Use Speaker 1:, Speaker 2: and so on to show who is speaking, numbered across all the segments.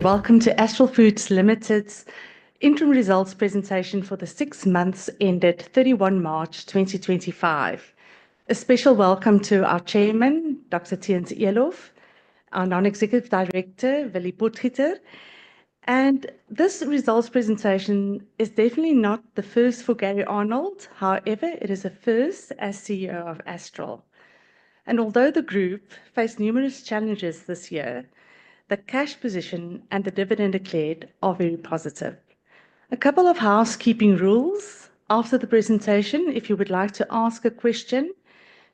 Speaker 1: Welcome to Astral Foods Limited's Interim Results Presentation for the six months ended 31 March 2025. A special welcome to our Chairman, Dr. Theunis Eloff, our Non-Executive Director, Veli Potgieter. This results presentation is definitely not the first for Gary Arnold; however, it is a first as CEO of Astral. Although the group faced numerous challenges this year, the cash position and the dividend declared are very positive. A couple of housekeeping rules after the presentation: if you would like to ask a question,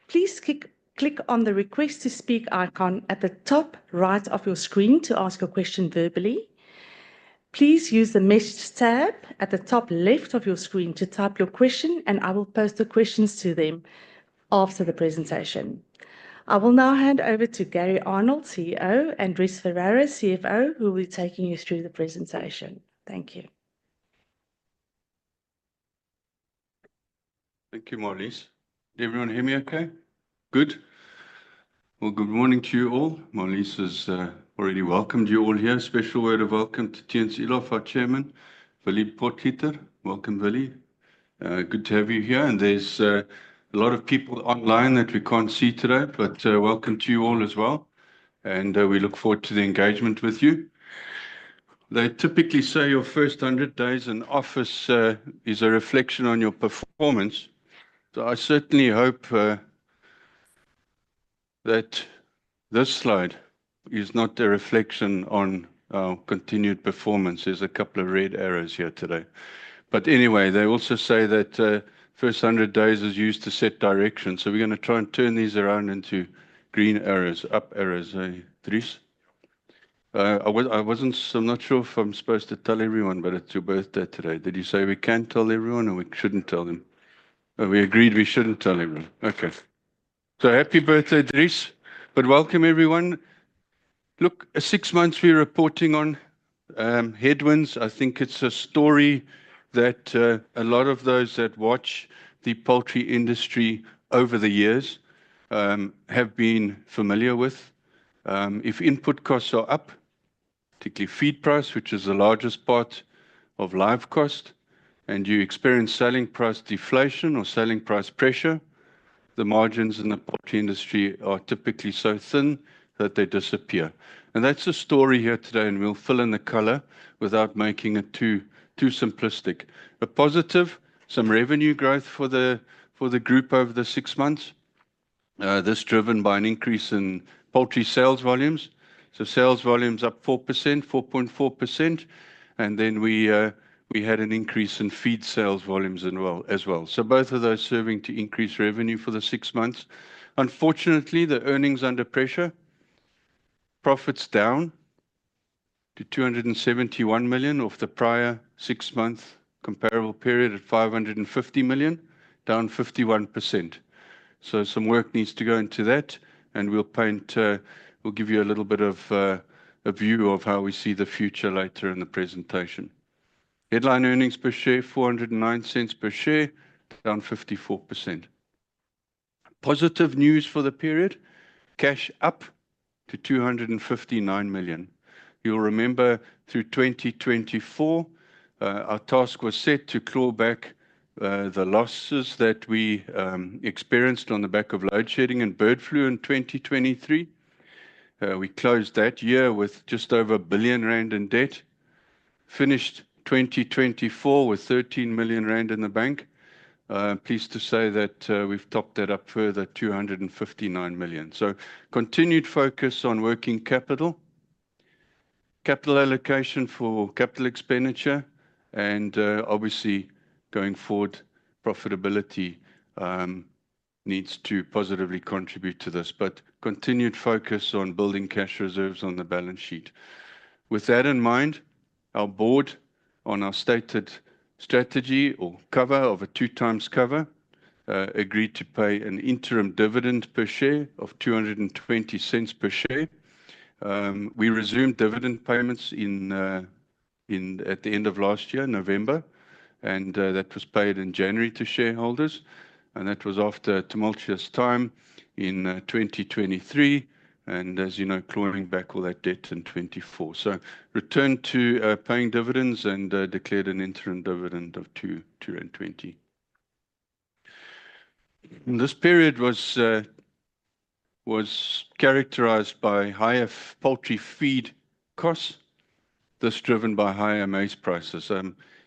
Speaker 1: please click on the Request to Speak icon at the top right of your screen to ask a question verbally. Please use the Message tab at the top left of your screen to type your question, and I will post the questions to them after the presentation. I will now hand over to Gary Arnold, CEO, and Dries Ferreira, CFO, who will be taking you through the presentation. Thank you.
Speaker 2: Thank you, Marlize. Can everyone hear me okay? Good. Good morning to you all. Marlize has already welcomed you all here. A special word of welcome to Theunis Eloff, our Chairman. Veli Potgieter, welcome, Veli. Good to have you here. There are a lot of people online that we cannot see today, but welcome to you all as well. We look forward to the engagement with you. They typically say your first 100 days in office is a reflection on your performance. I certainly hope that this slide is not a reflection on our continued performance. There are a couple of red arrows here today. They also say that first 100 days is used to set direction. We are going to try and turn these around into green arrows, up arrows. Dries? I wasn't—I'm not sure if I'm supposed to tell everyone, but it's your birthday today. Did you say we can tell everyone or we shouldn't tell them? We agreed we shouldn't tell everyone. Okay. So happy birthday, Dries. But welcome, everyone. Look, six months we're reporting on headwinds. I think it's a story that a lot of those that watch the poultry industry over the years have been familiar with. If input costs are up, particularly feed price, which is the largest part of live cost, and you experience selling price deflation or selling price pressure, the margins in the poultry industry are typically so thin that they disappear. And that's the story here today, and we'll fill in the color without making it too simplistic. But positive, some revenue growth for the group over the six months, this driven by an increase in poultry sales volumes. Sales volumes up 4%, 4.4%. We had an increase in feed sales volumes as well. Both of those serving to increase revenue for the six months. Unfortunately, the earnings under pressure, profits down to 271 million of the prior six-month comparable period at 550 million, down 51%. Some work needs to go into that, and we will paint—we will give you a little bit of a view of how we see the future later in the presentation. Headline earnings per share, 409 cents per share, down 54%. Positive news for the period, cash up to 259 million. You will remember through 2024, our task was set to claw back the losses that we experienced on the back of load shedding and bird flu in 2023. We closed that year with just over 1 billion rand in debt, finished 2024 with 13 million rand in the bank. Pleased to say that we have topped that up further, 259 million. Continued focus on working capital, capital allocation for capital expenditure, and obviously going forward, profitability needs to positively contribute to this, but continued focus on building cash reserves on the balance sheet. With that in mind, our board, on our stated strategy or cover of a 2x cover, agreed to pay an interim dividend per share of 2.20 per share. We resumed dividend payments at the end of last year, November, and that was paid in January to shareholders. That was after a tumultuous time in 2023, and as you know, clawing back all that debt in 2024. Returned to paying dividends and declared an interim dividend of 2.20. This period was characterized by higher poultry feed costs, thus driven by higher maize prices.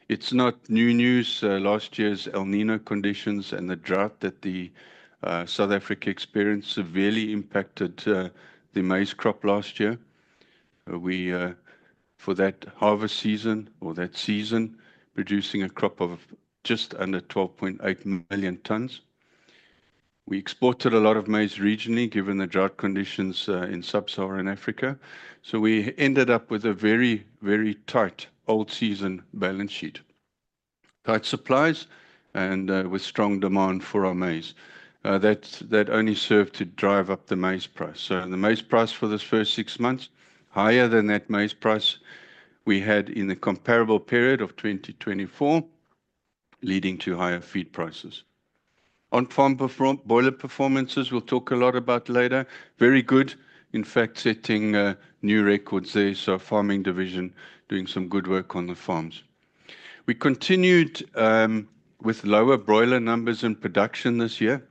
Speaker 2: It is not new news. Last year's El Niño conditions and the drought that South Africa experienced severely impacted the maize crop last year. For that harvest season or that season, producing a crop of just under 12.8 million tons. We exported a lot of maize regionally given the drought conditions in sub-Saharan Africa. We ended up with a very, very tight old season balance sheet, tight supplies, and with strong demand for our maize. That only served to drive up the maize price. The maize price for the first six months, higher than that maize price we had in the comparable period of 2024, leading to higher feed prices. On farm broiler performances, we'll talk a lot about later. Very good. In fact, setting new records there. Our farming division doing some good work on the farms. We continued with lower broiler numbers in production this year.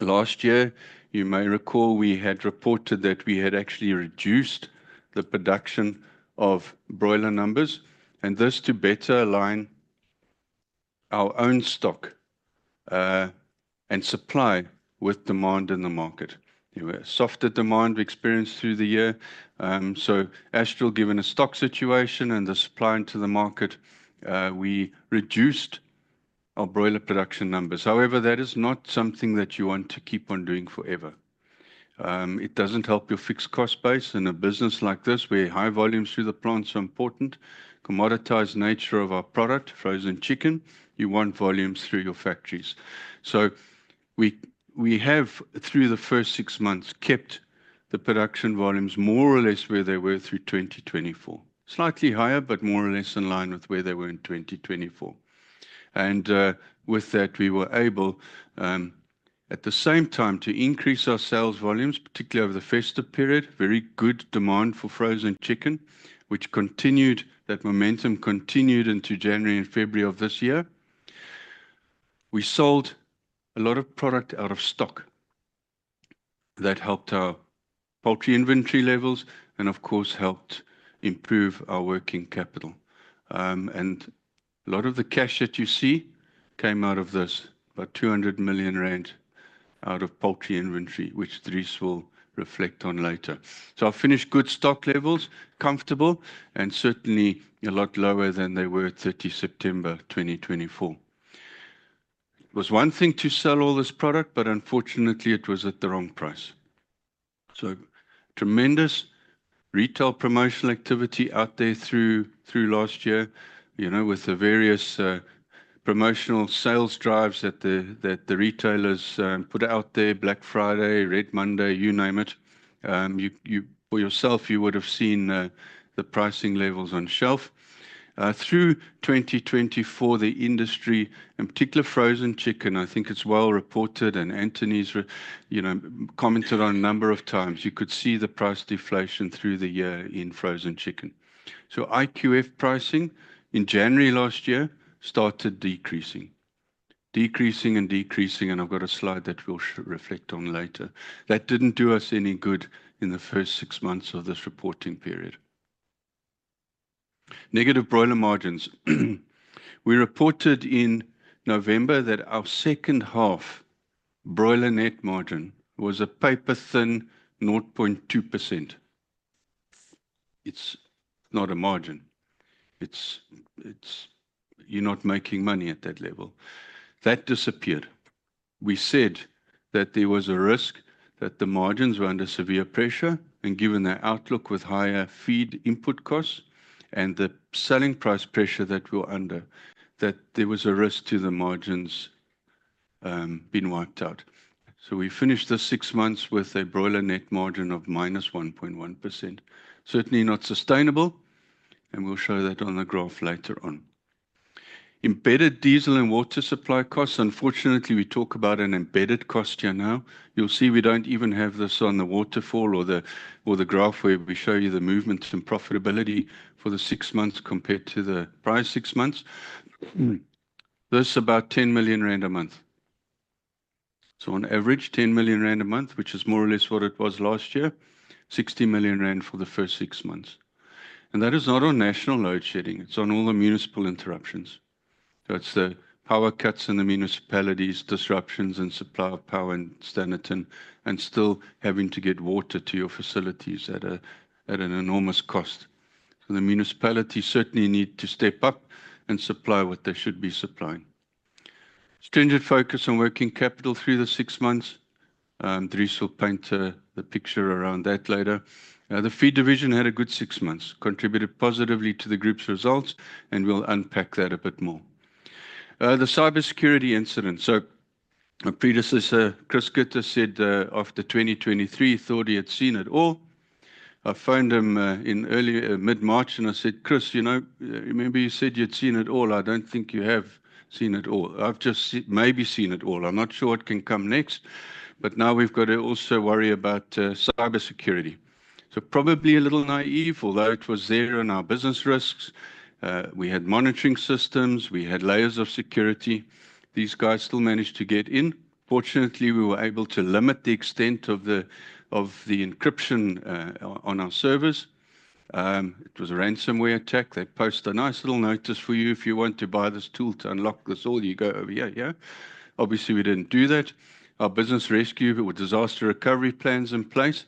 Speaker 2: Last year, you may recall we had reported that we had actually reduced the production of broiler numbers, and this to better align our own stock and supply with demand in the market. Softer demand we experienced through the year. Astral, given a stock situation and the supply into the market, we reduced our broiler production numbers. However, that is not something that you want to keep on doing forever. It does not help your fixed cost base. In a business like this, where high volumes through the plant are important, commoditized nature of our product, frozen chicken, you want volumes through your factories. We have, through the first six months, kept the production volumes more or less where they were through 2024. Slightly higher, but more or less in line with where they were in 2024. With that, we were able, at the same time, to increase our sales volumes, particularly over the festive period. Very good demand for frozen chicken, which continued—that momentum continued into January and February of this year. We sold a lot of product out of stock. That helped our poultry inventory levels and, of course, helped improve our working capital. A lot of the cash that you see came out of this, about 200 million rand out of poultry inventory, which Dries will reflect on later. I finished good stock levels, comfortable, and certainly a lot lower than they were 30 September 2024. It was one thing to sell all this product, but unfortunately, it was at the wrong price. Tremendous retail promotional activity out there through last year, you know, with the various promotional sales drives that the retailers put out there, Black Friday, Red Monday, you name it. For yourself, you would have seen the pricing levels on shelf. Through 2024, the industry, in particular frozen chicken, I think it's well reported, and Anthony's commented on a number of times. You could see the price deflation through the year in frozen chicken. IQF pricing in January last year started decreasing, decreasing and decreasing, and I've got a slide that we'll reflect on later. That did not do us any good in the first six months of this reporting period. Negative broiler margins. We reported in November that our second half broiler net margin was a paper-thin 0.2%. It's not a margin. You're not making money at that level. That disappeared. We said that there was a risk that the margins were under severe pressure, and given the outlook with higher feed input costs and the selling price pressure that we were under, that there was a risk to the margins being wiped out. We finished the six months with a broiler net margin of -1.1%. Certainly not sustainable, and we'll show that on the graph later on. Embedded diesel and water supply costs. Unfortunately, we talk about an embedded cost here now. You'll see we do not even have this on the waterfall or the graph where we show you the movements in profitability for the six months compared to the prior six months. This is about 10 million rand a month. On average, 10 million rand a month, which is more or less what it was last year, 60 million rand for the first six months. That is not on national load shedding. It is on all the municipal interruptions. That is the power cuts in the municipalities, disruptions in supply of power in Standerton, and still having to get water to your facilities at an enormous cost. The municipalities certainly need to step up and supply what they should be supplying. Stringent focus on working capital through the six months. Dries will paint the picture around that later. The feed division had a good six months, contributed positively to the group's results, and we will unpack that a bit more. The cybersecurity incident. A predecessor, Chris Schutte, said after 2023, thought he had seen it all. I phoned him in early mid-March and I said, "Chris, you know, maybe you said you had seen it all. I do not think you have seen it all. I have just maybe seen it all. I'm not sure what can come next, but now we've got to also worry about cybersecurity. Probably a little naive, although it was there in our business risks. We had monitoring systems. We had layers of security. These guys still managed to get in. Fortunately, we were able to limit the extent of the encryption on our servers. It was a ransomware attack. They post a nice little notice for you if you want to buy this tool to unlock this all. You go over here. Yeah. Obviously, we didn't do that. Our business rescue with disaster recovery plans in place.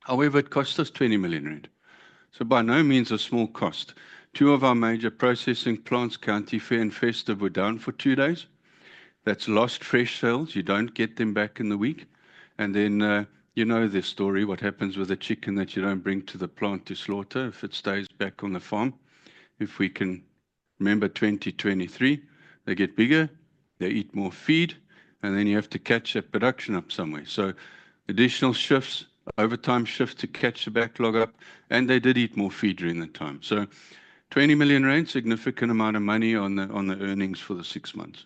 Speaker 2: However, it cost us 20 million rand. By no means a small cost. Two of our major processing plants, County Fair and Festival, were down for two days. That's lost fresh sales. You don't get them back in the week. You know the story, what happens with the chicken that you do not bring to the plant to slaughter if it stays back on the farm. If we can remember 2023, they get bigger, they eat more feed, and then you have to catch that production up somewhere. Additional shifts, overtime shifts to catch the backlog up, and they did eat more feed during that time. 20 million rand, significant amount of money on the earnings for the six months.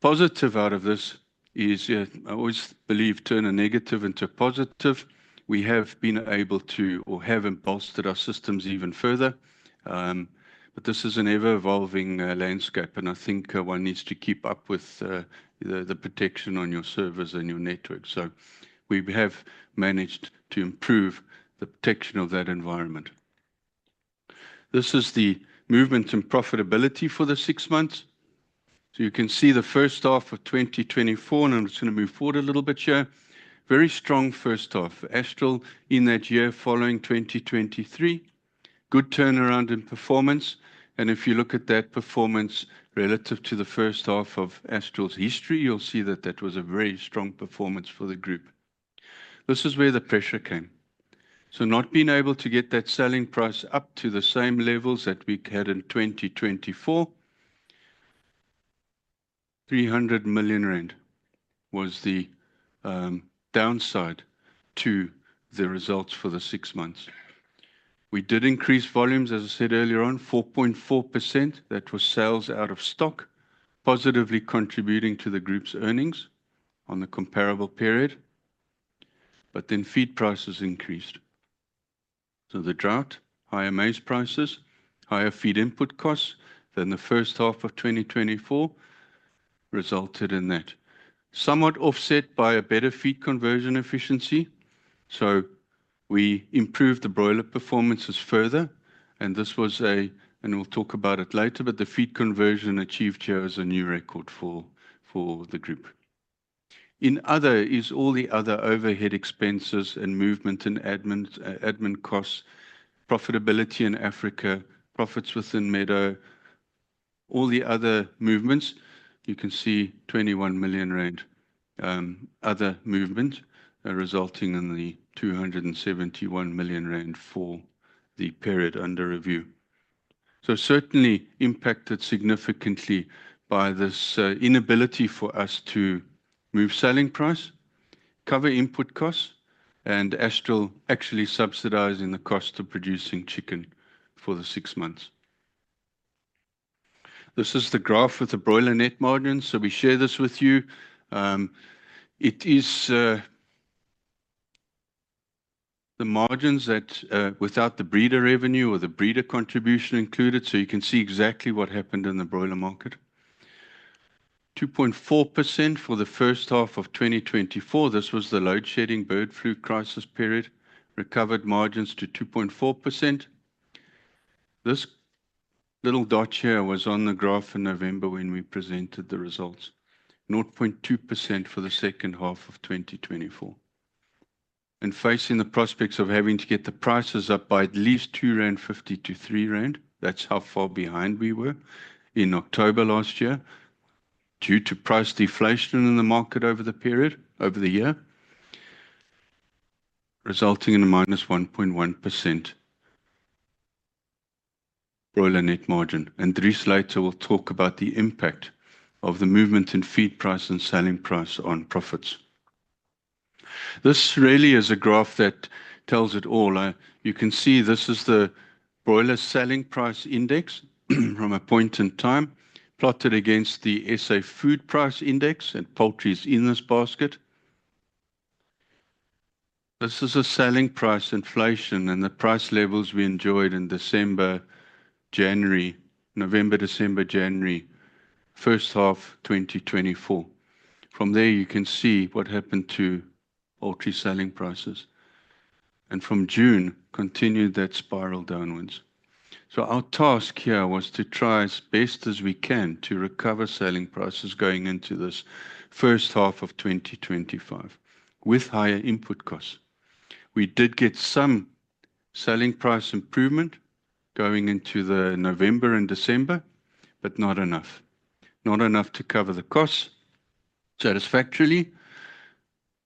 Speaker 2: Positive out of this is I always believe turn a negative into a positive. We have been able to or have embossed our systems even further. This is an ever-evolving landscape, and I think one needs to keep up with the protection on your servers and your network. We have managed to improve the protection of that environment. This is the movement in profitability for the six months. You can see the first half of 2024, and I'm just going to move forward a little bit here. Very strong first half. Astral in that year following 2023. Good turnaround in performance. If you look at that performance relative to the first half of Astral's history, you'll see that that was a very strong performance for the group. This is where the pressure came. Not being able to get that selling price up to the same levels that we had in 2024, ZAR 300 million was the downside to the results for the six months. We did increase volumes, as I said earlier on, 4.4%. That was sales out of stock, positively contributing to the group's earnings on the comparable period. Feed prices increased. The drought, higher maize prices, higher feed input costs than the first half of 2024 resulted in that. Somewhat offset by a better feed conversion efficiency. We improved the broiler performances further. This was a, and we'll talk about it later, but the feed conversion achieved here is a new record for the group. In other is all the other overhead expenses and movement and admin costs, profitability in Africa, profits within Meadow, all the other movements. You can see 21 million rand other movement resulting in the 271 million rand for the period under review. Certainly impacted significantly by this inability for us to move selling price, cover input costs, and Astral actually subsidizing the cost of producing chicken for the six months. This is the graph with the broiler net margins. We share this with you. It is the margins that without the breeder revenue or the breeder contribution included. You can see exactly what happened in the broiler market. 2.4% for the first half of 2024. This was the load shedding bird flu crisis period. Recovered margins to 2.4%. This little dot here was on the graph in November when we presented the results. 0.2% for the second half of 2024. Facing the prospects of having to get the prices up by at least 2.50-3.00 rand, that is how far behind we were in October last year due to price deflation in the market over the period, over the year, resulting in a -1.1% broiler net margin. Dries later will talk about the impact of the movement in feed price and selling price on profits. This really is a graph that tells it all. You can see this is the broiler selling price index from a point in time plotted against the SA food price index and poultry's in this basket. This is a selling price inflation and the price levels we enjoyed in December, January, November, December, January, first half 2024. From there, you can see what happened to poultry selling prices. From June, continued that spiral downwards. Our task here was to try as best as we can to recover selling prices going into this first half of 2025 with higher input costs. We did get some selling price improvement going into the November and December, but not enough. Not enough to cover the costs satisfactorily.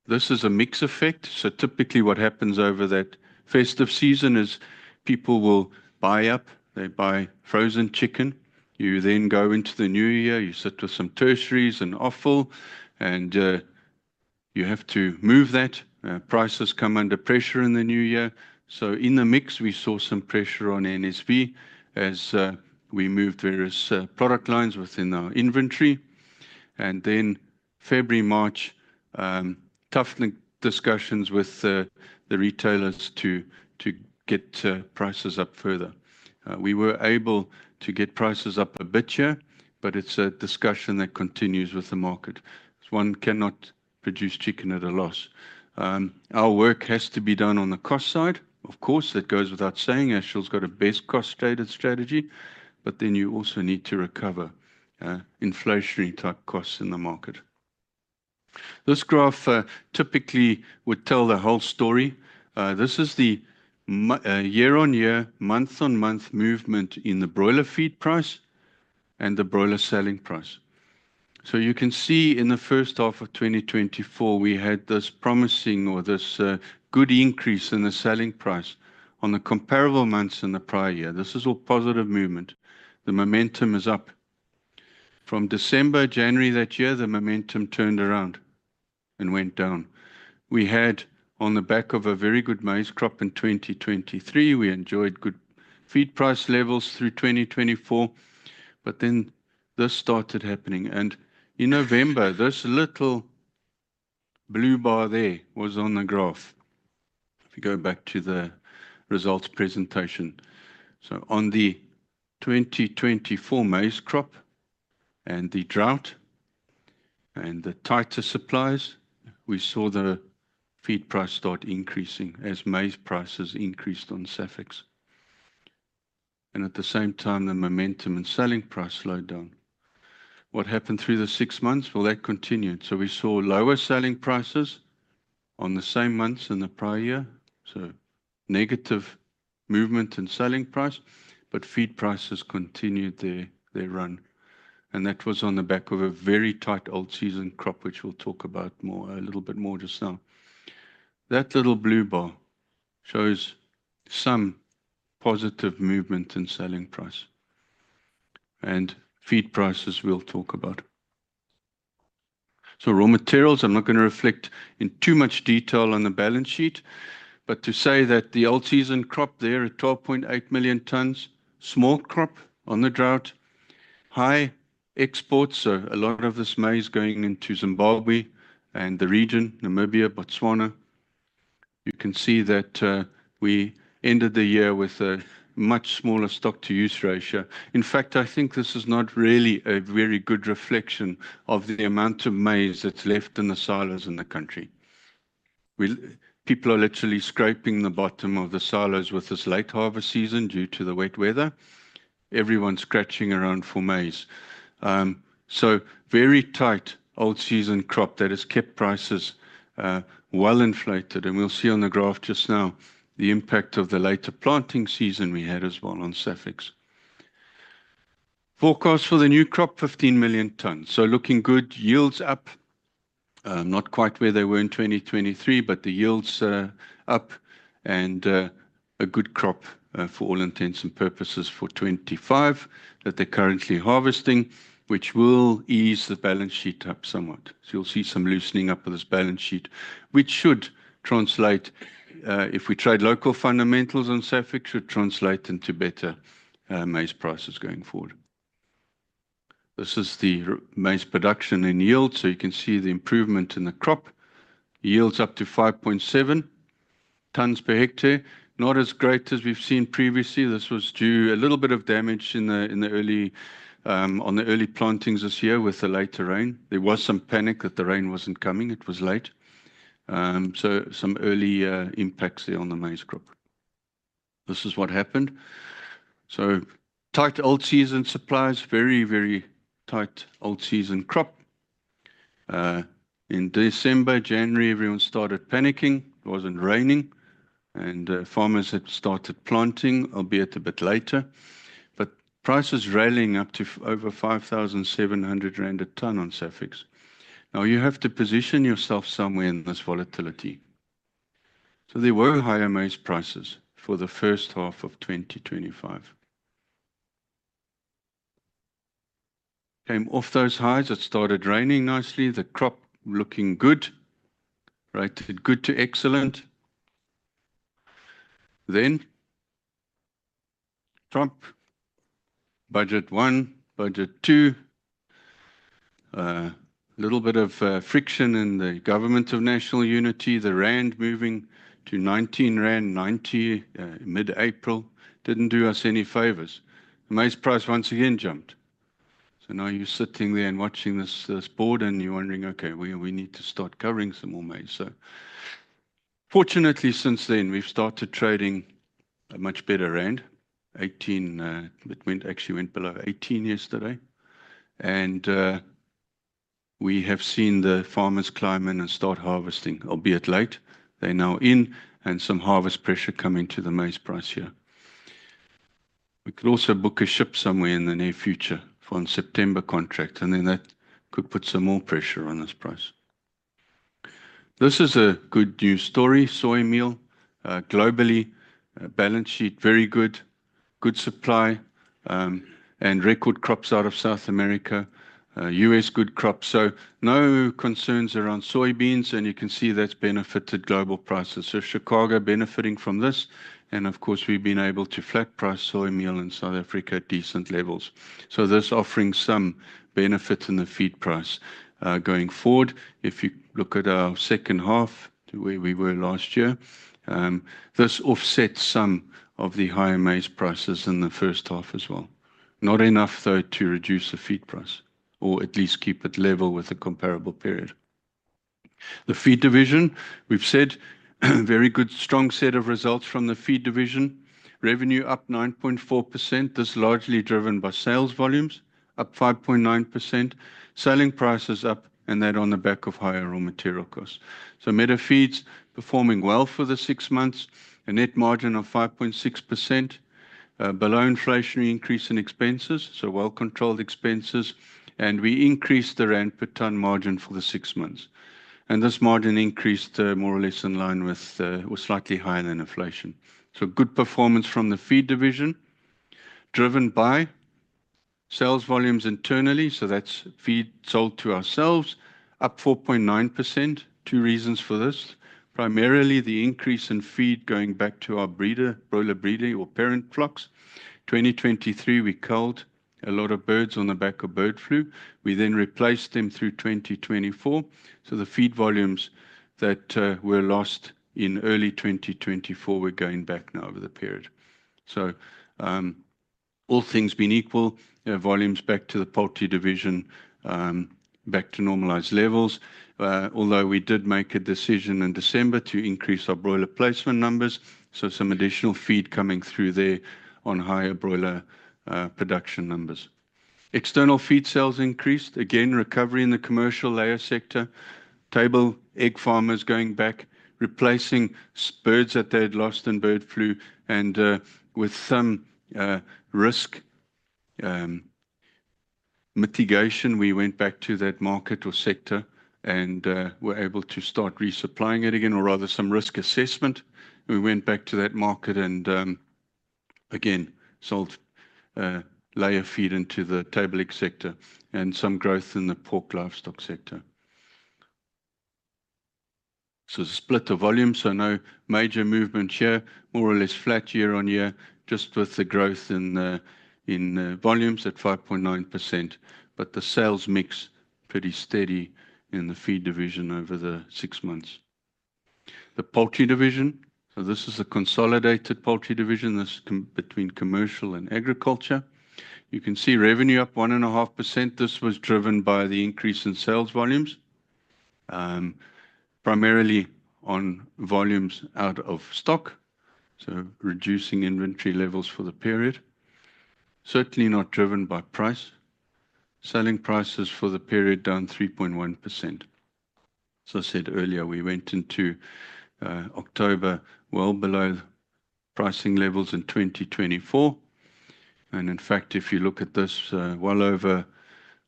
Speaker 2: This is a mixed effect. Typically what happens over that festive season is people will buy up. They buy frozen chicken. You then go into the new year, you sit with some tertiaries and offal, and you have to move that. Prices come under pressure in the new year. In the mix, we saw some pressure on NSV as we moved various product lines within our inventory. In February, March, tough discussions with the retailers to get prices up further. We were able to get prices up a bit here, but it is a discussion that continues with the market. One cannot produce chicken at a loss. Our work has to be done on the cost side. Of course, that goes without saying. Astral's got a best cost-rated strategy, but then you also need to recover inflationary type costs in the market. This graph typically would tell the whole story. This is the year-on-year, month-on-month movement in the broiler feed price and the broiler selling price. You can see in the first half of 2024, we had this promising or this good increase in the selling price on the comparable months in the prior year. This is all positive movement. The momentum is up. From December, January that year, the momentum turned around and went down. We had on the back of a very good maize crop in 2023. We enjoyed good feed price levels through 2024, but then this started happening. In November, this little blue bar there was on the graph. If you go back to the results presentation. On the 2024 maize crop and the drought and the tighter supplies, we saw the feed price start increasing as maize prices increased on SAFEX. At the same time, the momentum and selling price slowed down. What happened through the six months? That continued. We saw lower selling prices on the same months in the prior year. Negative movement in selling price, but feed prices continued their run. That was on the back of a very tight old season crop, which we'll talk about more, a little bit more just now. That little blue bar shows some positive movement in selling price and feed prices we'll talk about. Raw materials, I'm not going to reflect in too much detail on the balance sheet, but to say that the old season crop there at 12.8 million tons, small crop on the drought, high exports. A lot of this maize going into Zimbabwe and the region, Namibia, Botswana. You can see that we ended the year with a much smaller stock-to-use ratio. In fact, I think this is not really a very good reflection of the amount of maize that's left in the silos in the country. People are literally scraping the bottom of the silos with this late harvest season due to the wet weather. Everyone's scratching around for maize. Very tight old season crop that has kept prices well inflated. We'll see on the graph just now the impact of the later planting season we had as well on SAFEX. Forecast for the new crop, 15 million tons. Looking good, yields up. Not quite where they were in 2023, but the yields are up and a good crop for all intents and purposes for 2025 that they're currently harvesting, which will ease the balance sheet up somewhat. You'll see some loosening up of this balance sheet, which should translate, if we trade local fundamentals on SAFEX, should translate into better maize prices going forward. This is the maize production and yield. You can see the improvement in the crop. Yields up to 5.7 tons per hectare. Not as great as we've seen previously. This was due to a little bit of damage in the early plantings this year with the late rain. There was some panic that the rain was not coming. It was late. Some early impacts there on the maize crop. This is what happened. Tight old season supplies, very, very tight old season crop. In December, January, everyone started panicking. It was not raining. Farmers had started planting, albeit a bit later. Prices railing up to over 5,700 rand a ton on SAFEX. Now you have to position yourself somewhere in this volatility. There were higher maize prices for the first half of 2025. Came off those highs. It started raining nicely. The crop looking good, rated good to excellent. Then Trump, budget one, budget two. A little bit of friction in the government of national unity. The rand moving to 19.90 rand mid-April did not do us any favors. The maize price once again jumped. Now you are sitting there and watching this board and you are wondering, okay, we need to start covering some more maize. Fortunately, since then, we have started trading a much better rand. 18, it actually went below 18 yesterday. We have seen the farmers climb in and start harvesting, albeit late. They are now in and some harvest pressure coming to the maize price here. We could also book a ship somewhere in the near future for a September contract, and then that could put some more pressure on this price. This is a good news story. Soy meal globally, balance sheet very good, good supply and record crops out of South America, US good crops. No concerns around soybeans, and you can see that's benefited global prices. Chicago benefiting from this. Of course, we've been able to flat price soy meal in South Africa at decent levels. This is offering some benefit in the feed price going forward. If you look at our second half to where we were last year, this offsets some of the higher maize prices in the first half as well. Not enough though to reduce the feed price or at least keep it level with a comparable period. The feed division, we've said very good, strong set of results from the feed division. Revenue up 9.4%. This is largely driven by sales volumes up 5.9%. Selling prices up and that on the back of higher raw material costs. Meadow Feeds performing well for the six months, a net margin of 5.6%, below inflationary increase in expenses. Well-controlled expenses. We increased the ZAR per ton margin for the six months. This margin increased more or less in line with, was slightly higher than inflation. Good performance from the feed division driven by sales volumes internally. That is feed sold to ourselves up 4.9%. Two reasons for this. Primarily the increase in feed going back to our broiler breeder or parent flocks. In 2023, we culled a lot of birds on the back of bird flu. We then replaced them through 2024. The feed volumes that were lost in early 2024 were going back now over the period. All things being equal, volumes back to the poultry division, back to normalized levels. Although we did make a decision in December to increase our broiler placement numbers. Some additional feed coming through there on higher broiler production numbers. External feed sales increased. Again, recovery in the commercial layer sector. Table egg farmers going back, replacing birds that they'd lost in bird flu. With some risk mitigation, we went back to that market or sector and were able to start resupplying it again, or rather some risk assessment. We went back to that market and again sold layer feed into the table egg sector and some growth in the pork livestock sector. It's a split of volume. No major movement here, more or less flat year on year, just with the growth in volumes at 5.9%. The sales mix pretty steady in the feed division over the six months. The poultry division, this is a consolidated poultry division between commercial and agriculture. You can see revenue up 1.5%. This was driven by the increase in sales volumes, primarily on volumes out of stock. Reducing inventory levels for the period, certainly not driven by price. Selling prices for the period down 3.1%. As I said earlier, we went into October well below pricing levels in 2024. In fact, if you look at this, well over,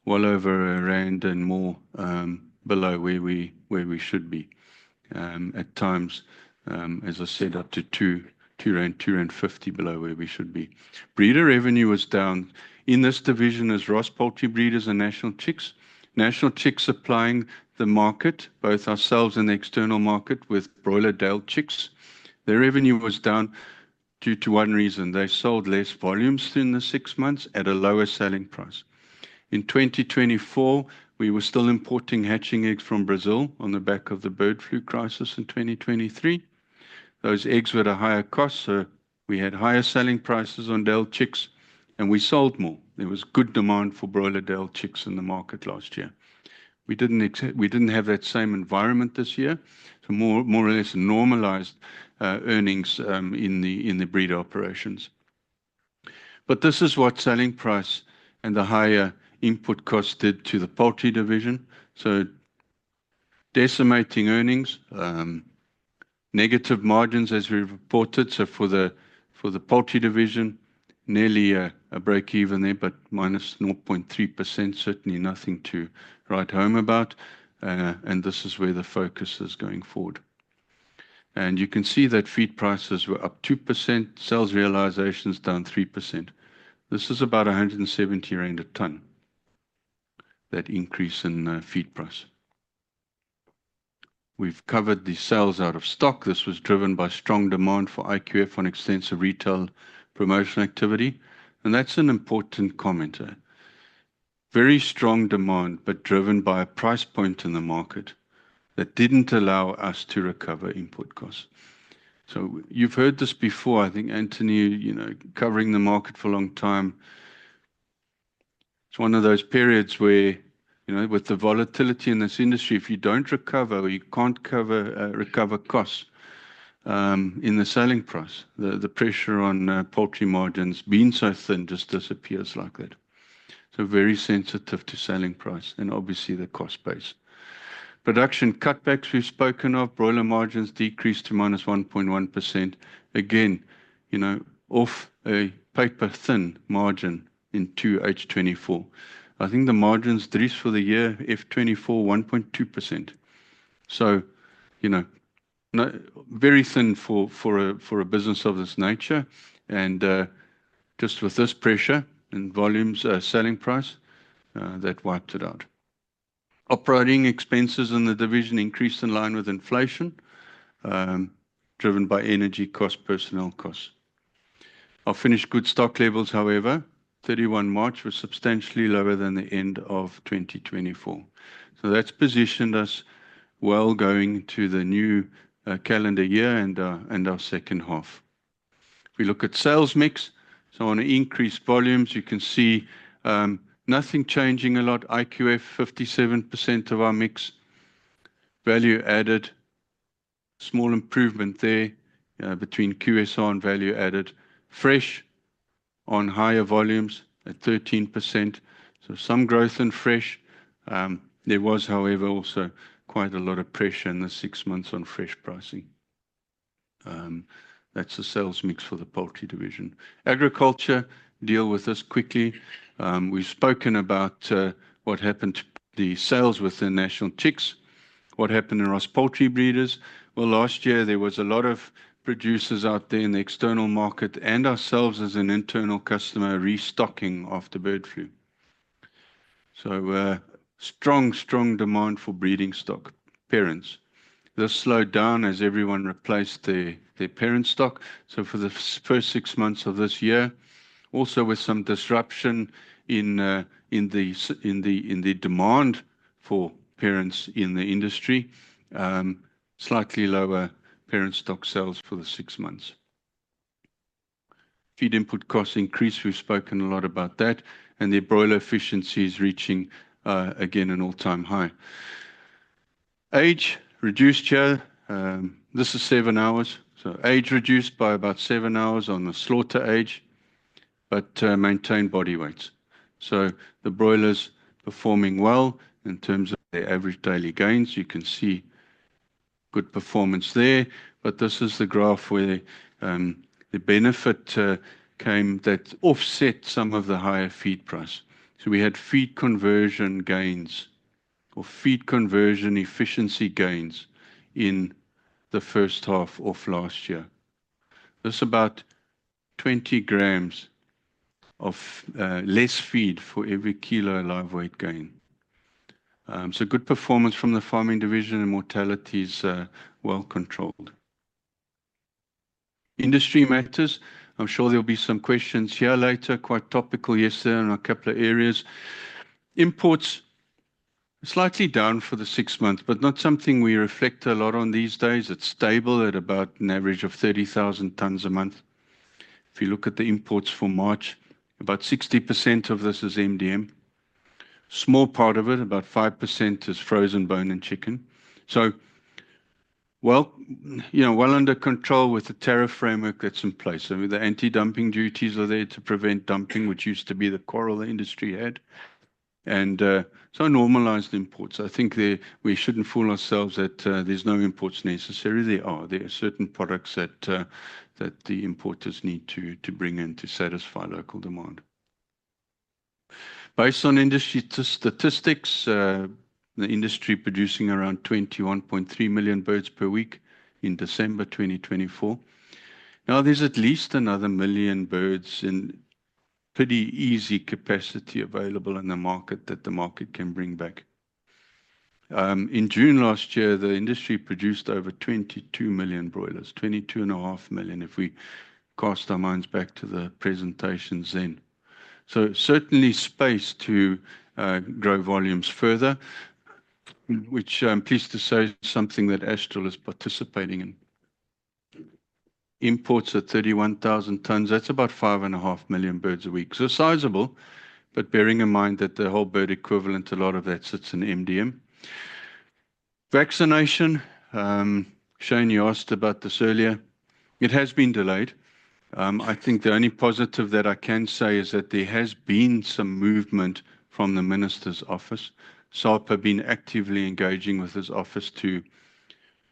Speaker 2: well over a rand and more below where we should be. At times, as I said, up to 2.2 rand, 2.50 rand below where we should be. Breeder revenue was down. In this division is Ross Poultry Breeders and National Chicks. National Chicks supplying the market, both ourselves and the external market with broiler day-old chicks. Their revenue was down due to one reason. They sold less volumes through the six months at a lower selling price. In 2024, we were still importing hatching eggs from Brazil on the back of the bird flu crisis in 2023. Those eggs were at a higher cost, so we had higher selling prices on day-old chicks and we sold more. There was good demand for broiler day-old chicks in the market last year. We did not have that same environment this year. More or less normalized earnings in the breeder operations. This is what selling price and the higher input cost did to the poultry division. Decimating earnings, negative margins as we reported. For the poultry division, nearly a break even there, but -0.3%, certainly nothing to write home about. This is where the focus is going forward. You can see that feed prices were up 2%, sales realizations down 3%. This is about 170 rand a ton, that increase in feed price. We have covered the sales out of stock. This was driven by strong demand for IQF on extensive retail promotion activity. That is an important comment. Very strong demand, but driven by a price point in the market that did not allow us to recover input costs. You have heard this before, I think, Anthony, you know, covering the market for a long time. It is one of those periods where, you know, with the volatility in this industry, if you do not recover, you cannot recover costs in the selling price. The pressure on poultry margins being so thin just disappears like that. So very sensitive to selling price and obviously the cost base. Production cutbacks we've spoken of, broiler margins decreased to -1.1%. Again, you know, off a paper thin margin in 2H24. I think the margins dress for the year, F2024, 1.2%. So, you know, very thin for a business of this nature. And just with this pressure and volumes, selling price, that wiped it out. Operating expenses in the division increased in line with inflation, driven by energy cost, personnel costs. Our finished good stock levels, however, 31 March was substantially lower than the end of 2024. So that's positioned us well going to the new calendar year and our second half. We look at sales mix. So on an increased volumes, you can see nothing changing a lot. IQF 57% of our mix value added, small improvement there between QSR and value added. Fresh on higher volumes at 13%. So some growth in fresh. There was, however, also quite a lot of pressure in the six months on fresh pricing. That's the sales mix for the poultry division. Agriculture, deal with this quickly. We've spoken about what happened to the sales with the National Chicks. What happened in Ross Poultry Breeders? Last year there was a lot of producers out there in the external market and ourselves as an internal customer restocking of the bird flu. Strong, strong demand for breeding stock, parents. This slowed down as everyone replaced their parent stock. For the first six months of this year, also with some disruption in the demand for parents in the industry, slightly lower parent stock sales for the six months. Feed input costs increased. We've spoken a lot about that. The broiler efficiency is reaching again an all-time high. Age reduced here. This is seven hours. Age reduced by about seven hours on the slaughter age, but maintained body weights. The broilers performing well in terms of their average daily gains. You can see good performance there. This is the graph where the benefit came that offset some of the higher feed price. We had feed conversion gains or feed conversion efficiency gains in the first half of last year. This is about 20 grams of less feed for every kilo of live weight gain. Good performance from the farming division and mortalities well controlled. Industry matters. I'm sure there'll be some questions here later. Quite topical yesterday in a couple of areas. Imports slightly down for the six months, but not something we reflect a lot on these days. It is stable at about an average of 30,000 tons a month. If you look at the imports for March, about 60% of this is MDM. Small part of it, about 5% is frozen bone-in chicken. Under control with the tariff framework that is in place. The anti-dumping duties are there to prevent dumping, which used to be the core industry had. Normalized imports. I think we should not fool ourselves that there is no imports necessary. There are. There are certain products that the importers need to bring in to satisfy local demand. Based on industry statistics, the industry producing around 21.3 million birds per week in December 2024. Now there's at least another million birds in pretty easy capacity available in the market that the market can bring back. In June last year, the industry produced over 22 million broilers, 22.5 million if we cast our minds back to the presentations then. Certainly space to grow volumes further, which I'm pleased to say is something that Astral is participating in. Imports are 31,000 tons. That's about 5.5 million birds a week. Sizable, but bearing in mind that the whole bird equivalent, a lot of that sits in MDM. Vaccination. Shane, you asked about this earlier. It has been delayed. I think the only positive that I can say is that there has been some movement from the minister's office. SARP has been actively engaging with his office to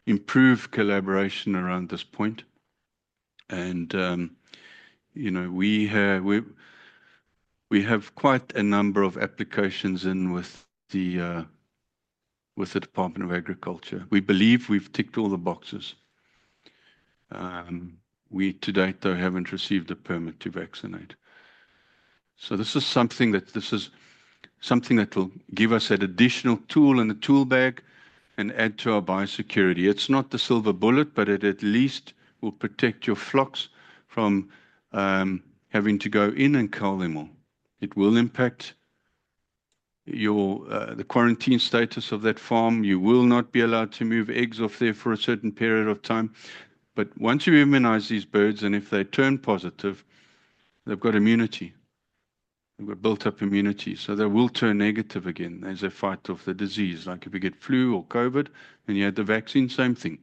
Speaker 2: improve collaboration around this point. You know, we have quite a number of applications in with the Department of Agriculture. We believe we've ticked all the boxes. We to date though haven't received a permit to vaccinate. This is something that will give us an additional tool in the tool bag and add to our biosecurity. It's not the silver bullet, but it at least will protect your flocks from having to go in and cull them all. It will impact the quarantine status of that farm. You will not be allowed to move eggs off there for a certain period of time. Once you immunize these birds and if they turn positive, they've got immunity. They've got built-up immunity. They will turn negative again as they fight off the disease. Like if you get flu or COVID and you had the vaccine, same thing.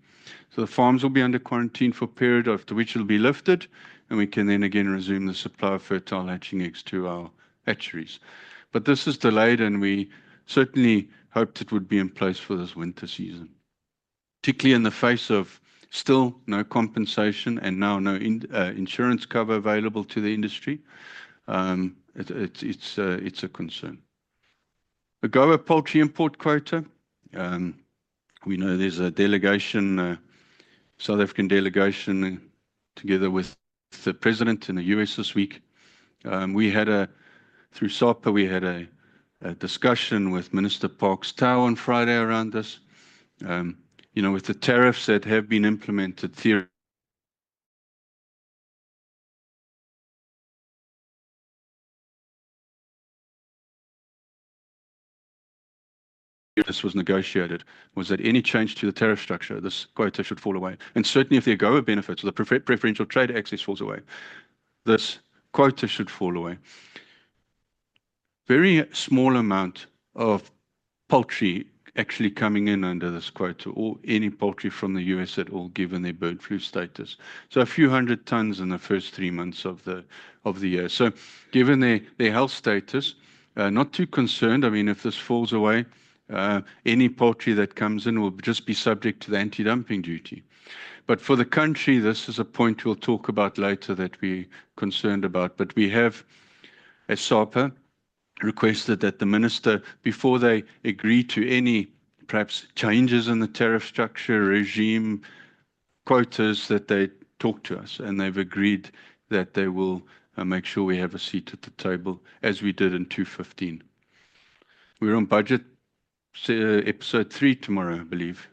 Speaker 2: The farms will be under quarantine for a period after which it will be lifted and we can then again resume the supply of fertile hatching eggs to our hatcheries. This is delayed and we certainly hoped it would be in place for this winter season, particularly in the face of still no compensation and now no insurance cover available to the industry. It is a concern. The AGOA poultry import quota. We know there is a South African delegation together with the President in the U.S. this week. Through SARP, we had a discussion with Minister Parks Tau on Friday around this. You know, with the tariffs that have been implemented, theory. This was negotiated. Was there any change to the tariff structure? This quota should fall away. Certainly if there are AGOA benefits, the preferential trade access falls away. This quota should fall away. Very small amount of poultry actually coming in under this quota or any poultry from the U.S. at all given their bird flu status. A few hundred tons in the first three months of the year. Given their health status, not too concerned. I mean, if this falls away, any poultry that comes in will just be subject to the anti-dumping duty. For the country, this is a point we'll talk about later that we're concerned about. We have a SARP requested that the minister, before they agree to any perhaps changes in the tariff structure, regime, quotas, that they talk to us. They have agreed that they will make sure we have a seat at the table as we did in 2015. We're on budget episode three tomorrow, I believe.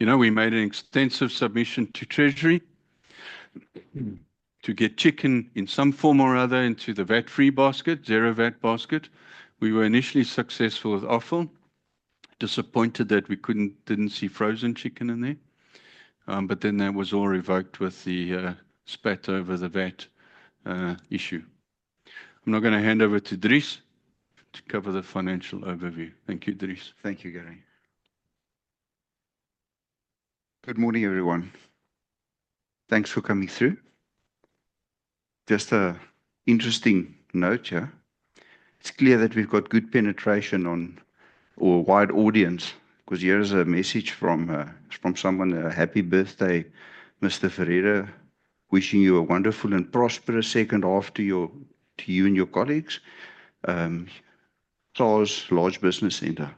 Speaker 2: You know, we made an extensive submission to Treasury to get chicken in some form or other into the VAT-free basket, zero VAT basket. We were initially successful with offal. Disappointed that we couldn't, didn't see frozen chicken in there. That was all revoked with the spat over the VAT issue. I'm now going to hand over to Dries to cover the financial overview. Thank you, Dries.
Speaker 3: Thank you, Gary. Good morning, everyone. Thanks for coming through. Just an interesting note here. It's clear that we've got good penetration or wide audience because here is a message from someone, a happy birthday, Mr. Ferreira, wishing you a wonderful and prosperous second half to you and your colleagues. SARS Large Business Centre.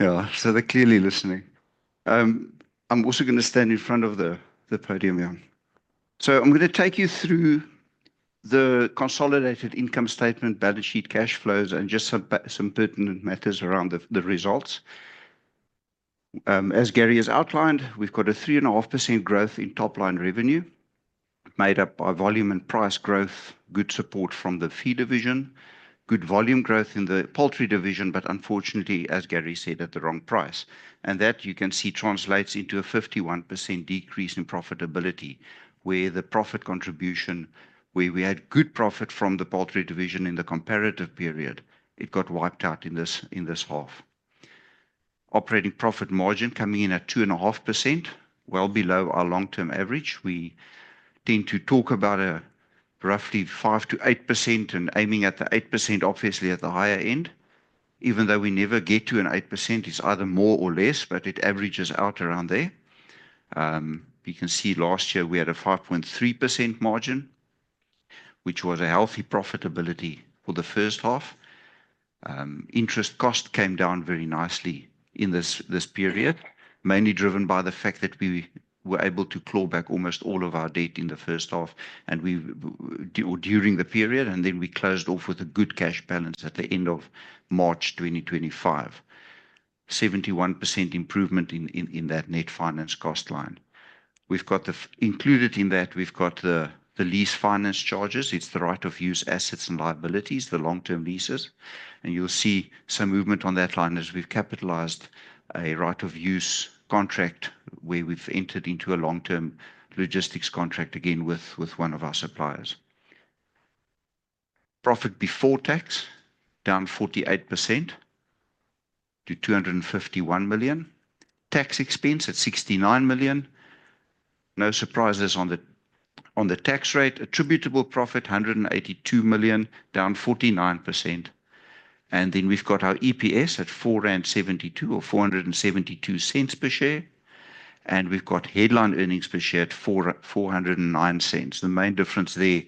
Speaker 3: Yeah, they're clearly listening. I'm also going to stand in front of the podium here. I'm going to take you through the consolidated income statement, balance sheet, cash flows, and just some pertinent matters around the results. As Gary has outlined, we've got a 3.5% growth in top line revenue made up by volume and price growth, good support from the feed division, good volume growth in the poultry division, but unfortunately, as Gary said, at the wrong price. That you can see translates into a 51% decrease in profitability, where the profit contribution, where we had good profit from the poultry division in the comparative period, it got wiped out in this half. Operating profit margin coming in at 2.5%, well below our long-term average. We tend to talk about a roughly 5%-8% and aiming at the 8%, obviously at the higher end, even though we never get to an 8%. It's either more or less, but it averages out around there. You can see last year we had a 5.3% margin, which was a healthy profitability for the first half. Interest cost came down very nicely in this period, mainly driven by the fact that we were able to claw back almost all of our debt in the first half and we were during the period, and then we closed off with a good cash balance at the end of March 2025. 71% improvement in that net finance cost line. We've got the included in that, we've got the lease finance charges. It's the right of use assets and liabilities, the long-term leases. You will see some movement on that line as we've capitalized a right of use contract where we've entered into a long-term logistics contract again with one of our suppliers. Profit before tax down 48% to 251 million. Tax expense at 69 million. No surprises on the tax rate. Attributable profit 182 million down 49%. We have our EPS at 4.72 or 472 cents per share. We have headline earnings per share at 409 cents. The main difference there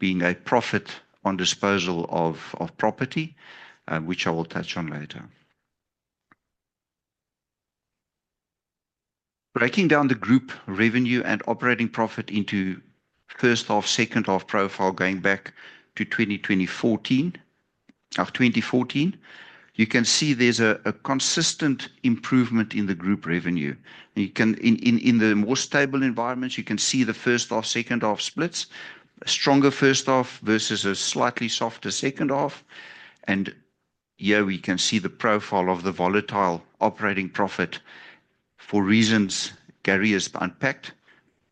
Speaker 3: being a profit on disposal of property, which I will touch on later. Breaking down the group revenue and operating profit into first half, second half profile going back to 2014. In 2014, you can see there is a consistent improvement in the group revenue. In the more stable environments, you can see the first half, second half splits, a stronger first half versus a slightly softer second half. You can see the profile of the volatile operating profit for reasons Gary has unpacked.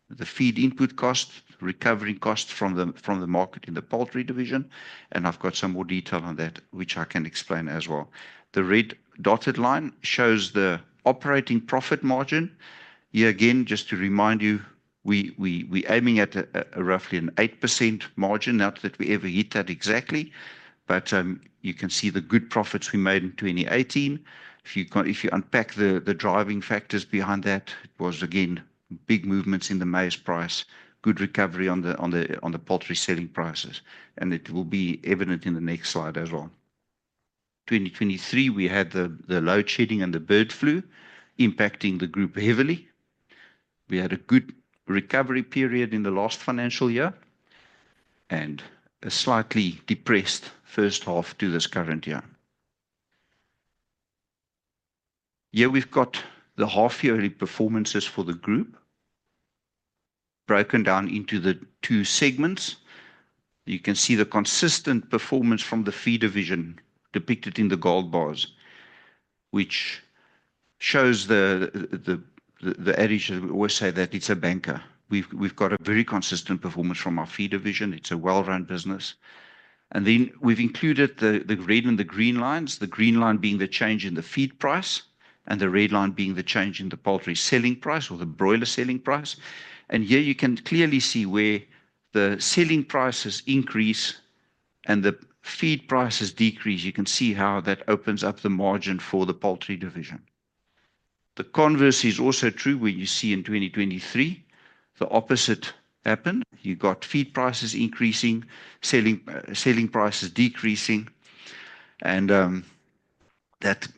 Speaker 3: The feed input cost, recovering costs from the market in the poultry division. I have got some more detail on that, which I can explain as well. The red dotted line shows the operating profit margin. Yeah, again, just to remind you, we are aiming at roughly an 8% margin. Not that we ever hit that exactly. You can see the good profits we made in 2018. If you unpack the driving factors behind that, it was again big movements in the maize price, good recovery on the poultry selling prices. It will be evident in the next slide as well. In 2023, we had the load shedding and the bird flu impacting the group heavily. We had a good recovery period in the last financial year and a slightly depressed first half to this current year. Yeah, we've got the half-yearly performances for the group broken down into the two segments. You can see the consistent performance from the feed division depicted in the gold bars, which shows the average. We always say that it's a banker. We've got a very consistent performance from our feed division. It's a well-run business. We have included the red and the green lines, the green line being the change in the feed price and the red line being the change in the poultry selling price or the broiler selling price. Here you can clearly see where the selling prices increase and the feed prices decrease. You can see how that opens up the margin for the poultry division. The converse is also true where you see in 2023, the opposite happened. You got feed prices increasing, selling prices decreasing, and that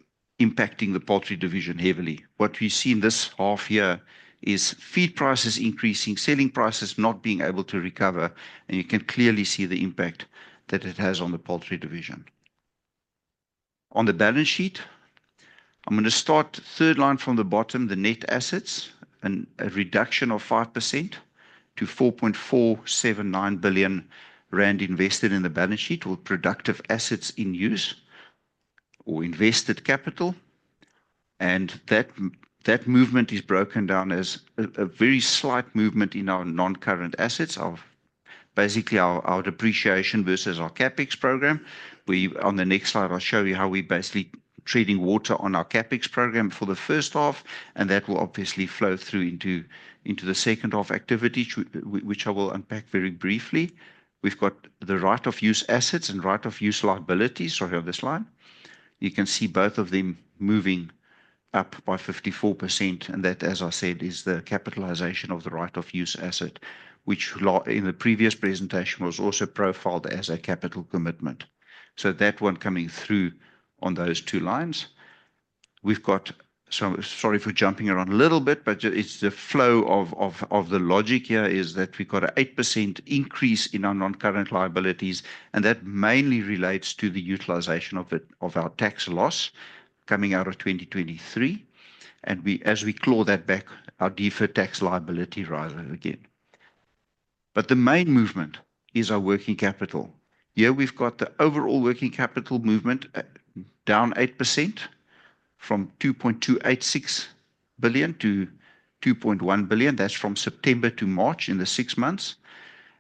Speaker 3: impacting the poultry division heavily. What we see in this half year is feed prices increasing, selling prices not being able to recover. You can clearly see the impact that it has on the poultry division. On the balance sheet, I'm going to start third line from the bottom, the net assets, and a reduction of 5% to 4.479 billion rand invested in the balance sheet or productive assets in use or invested capital. That movement is broken down as a very slight movement in our non-current assets, basically our depreciation versus our CapEx program. On the next slide, I'll show you how we're basically treading water on our CapEx program for the first half. That will obviously flow through into the second half activity, which I will unpack very briefly. We've got the right of use assets and right of use liabilities. Here on this line, you can see both of them moving up by 54%. That, as I said, is the capitalization of the right of use asset, which in the previous presentation was also profiled as a capital commitment. That one coming through on those two lines. Sorry for jumping around a little bit, but the flow of the logic here is that we have an 8% increase in our non-current liabilities. That mainly relates to the utilization of our tax loss coming out of 2023. As we claw that back, our deferred tax liability rather again. The main movement is our working capital. We have the overall working capital movement down 8% from 2.286 billion to 2.1 billion. That is from September to March in the six months.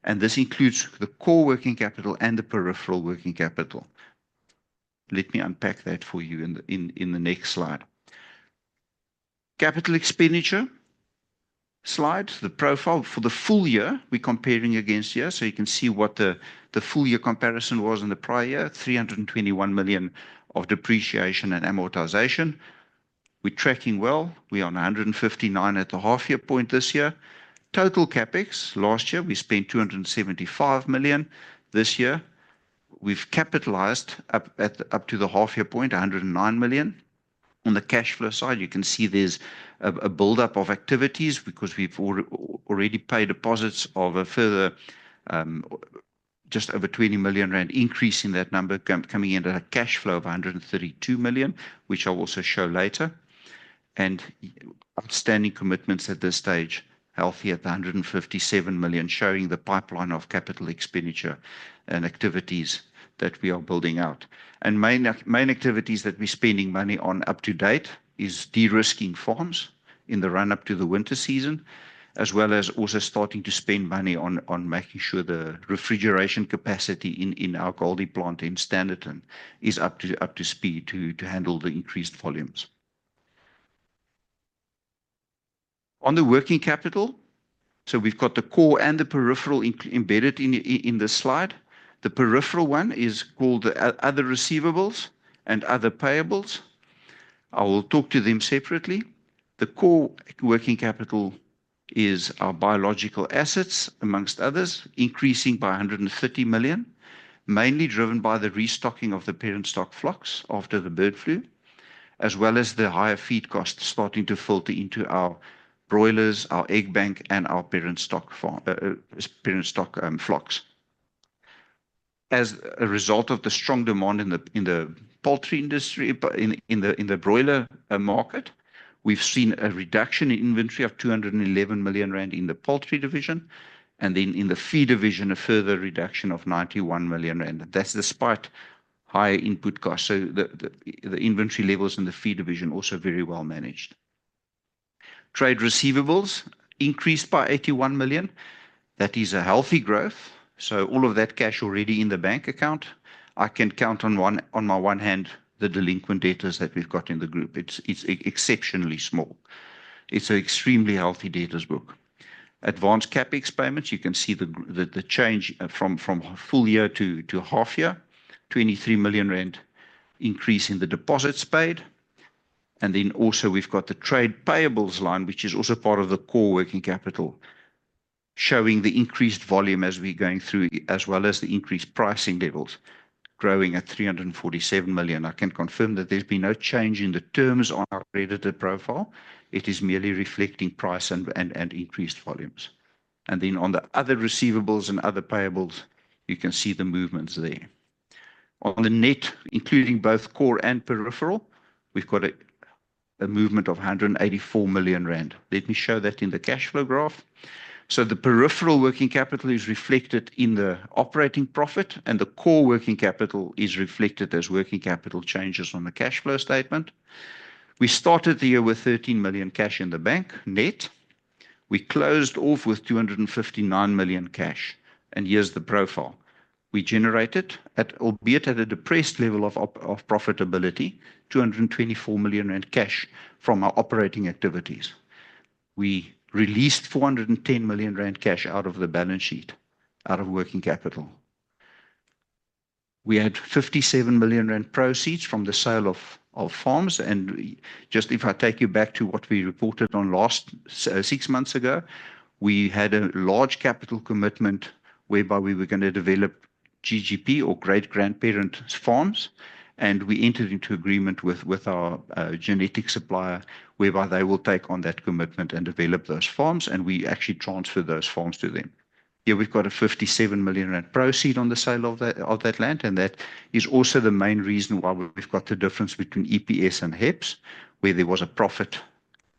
Speaker 3: This includes the core working capital and the peripheral working capital. Let me unpack that for you in the next slide. Capital expenditure slide, the profile for the full year we're comparing against here. You can see what the full year comparison was in the prior year, 321 million of depreciation and amortization. We're tracking well. We are on 159 million at the half-year point this year. Total CapEx last year, we spent 275 million. This year, we've capitalized up to the half-year point, 109 million. On the cash flow side, you can see there's a build-up of activities because we've already paid deposits of a further just over 20 million rand increase in that number coming in at a cash flow of 132 million, which I'll also show later. Outstanding commitments at this stage, healthy at 157 million, showing the pipeline of capital expenditure and activities that we are building out. The main activities that we're spending money on up to date is de-risking farms in the run-up to the winter season, as well as also starting to spend money on making sure the refrigeration capacity in our Goldi plant in Standerton is up to speed to handle the increased volumes. On the working capital, we've got the core and the peripheral embedded in this slide. The peripheral one is called the other receivables and other payables. I will talk to them separately. The core working capital is our biological assets, amongst others, increasing by 130 million, mainly driven by the restocking of the parent stock flocks after the bird flu, as well as the higher feed costs starting to filter into our broilers, our egg bank, and our parent stock flocks. As a result of the strong demand in the poultry industry, in the broiler market, we've seen a reduction in inventory of 211 million rand in the poultry division. In the feed division, a further reduction of 91 million rand. That is despite higher input costs. The inventory levels in the feed division also very well managed. Trade receivables increased by 81 million. That is a healthy growth. All of that cash already in the bank account, I can count on my one hand the delinquent debtors that we've got in the group. It's exceptionally small. It's an extremely healthy debtors book. Advanced CapEx payments, you can see the change from full year to half year, 23 million rand increase in the deposits paid. You can also see the trade payables line, which is also part of the core working capital, showing the increased volume as we're going through, as well as the increased pricing levels growing at 347 million. I can confirm that there's been no change in the terms on our credited profile. It is merely reflecting price and increased volumes. On the other receivables and other payables, you can see the movements there. On the net, including both core and peripheral, we've got a movement of 184 million rand. Let me show that in the cash flow graph. The peripheral working capital is reflected in the operating profit, and the core working capital is reflected as working capital changes on the cash flow statement. We started the year with 13 million cash in the bank net. We closed off with 259 million cash. Here is the profile. We generated, albeit at a depressed level of profitability, 224 million rand cash from our operating activities. We released 410 million rand cash out of the balance sheet, out of working capital. We had 57 million rand proceeds from the sale of farms. If I take you back to what we reported on six months ago, we had a large capital commitment whereby we were going to develop GGP or great grandparent farms. We entered into agreement with our genetic supplier whereby they will take on that commitment and develop those farms. We actually transferred those farms to them. We have a 57 million rand proceed on the sale of that land. That is also the main reason why we have the difference between EPS and HEPS, where there was a profit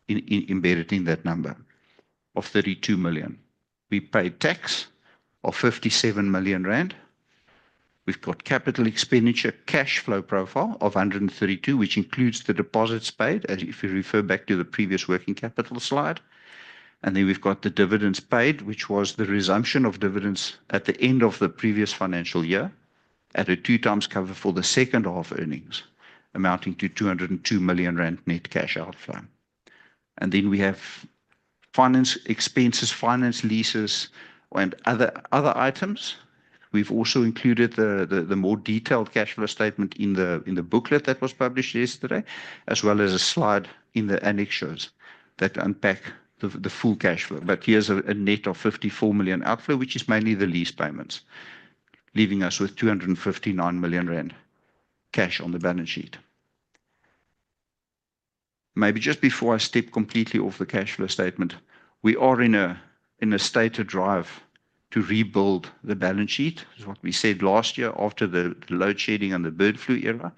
Speaker 3: embedded in that number of 32 million. We paid tax of 57 million rand. We have capital expenditure cash flow profile of 132 million, which includes the deposits paid, as if we refer back to the previous working capital slide. We have the dividends paid, which was the resumption of dividends at the end of the previous financial year at a two-times cover for the second half earnings, amounting to 202 million rand net cash outflow. We have finance expenses, finance leases, and other items. have also included the more detailed cash flow statement in the booklet that was published yesterday, as well as a slide in the annexes that unpack the full cash flow. Here is a net of 54 million outflow, which is mainly the lease payments, leaving us with 259 million rand cash on the balance sheet. Maybe just before I step completely off the cash flow statement, we are in a state to drive to rebuild the balance sheet, is what we said last year after the load shedding and the bird flu era.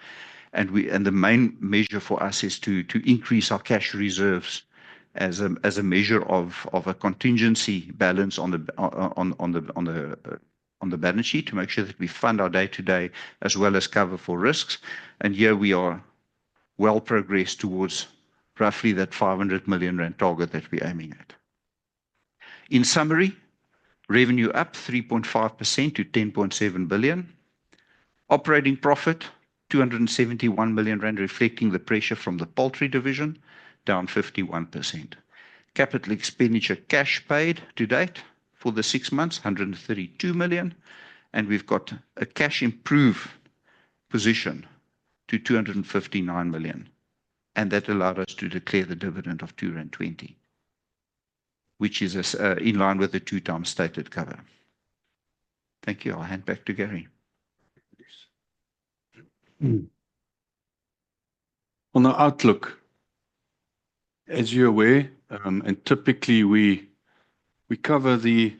Speaker 3: The main measure for us is to increase our cash reserves as a measure of a contingency balance on the balance sheet to make sure that we fund our day-to-day as well as cover for risks. We are well progressed towards roughly that 500 million rand target that we are aiming at. In summary, revenue up 3.5% to 10.7 billion. Operating profit 271 million rand reflecting the pressure from the poultry division, down 51%. Capital expenditure cash paid to date for the six months, 132 million. We have a cash improved position to 259 million. That allowed us to declare the dividend of 220, which is in line with the 2x stated cover. Thank you. I'll hand back to Gary.
Speaker 2: On the outlook, as you're aware, and typically we cover the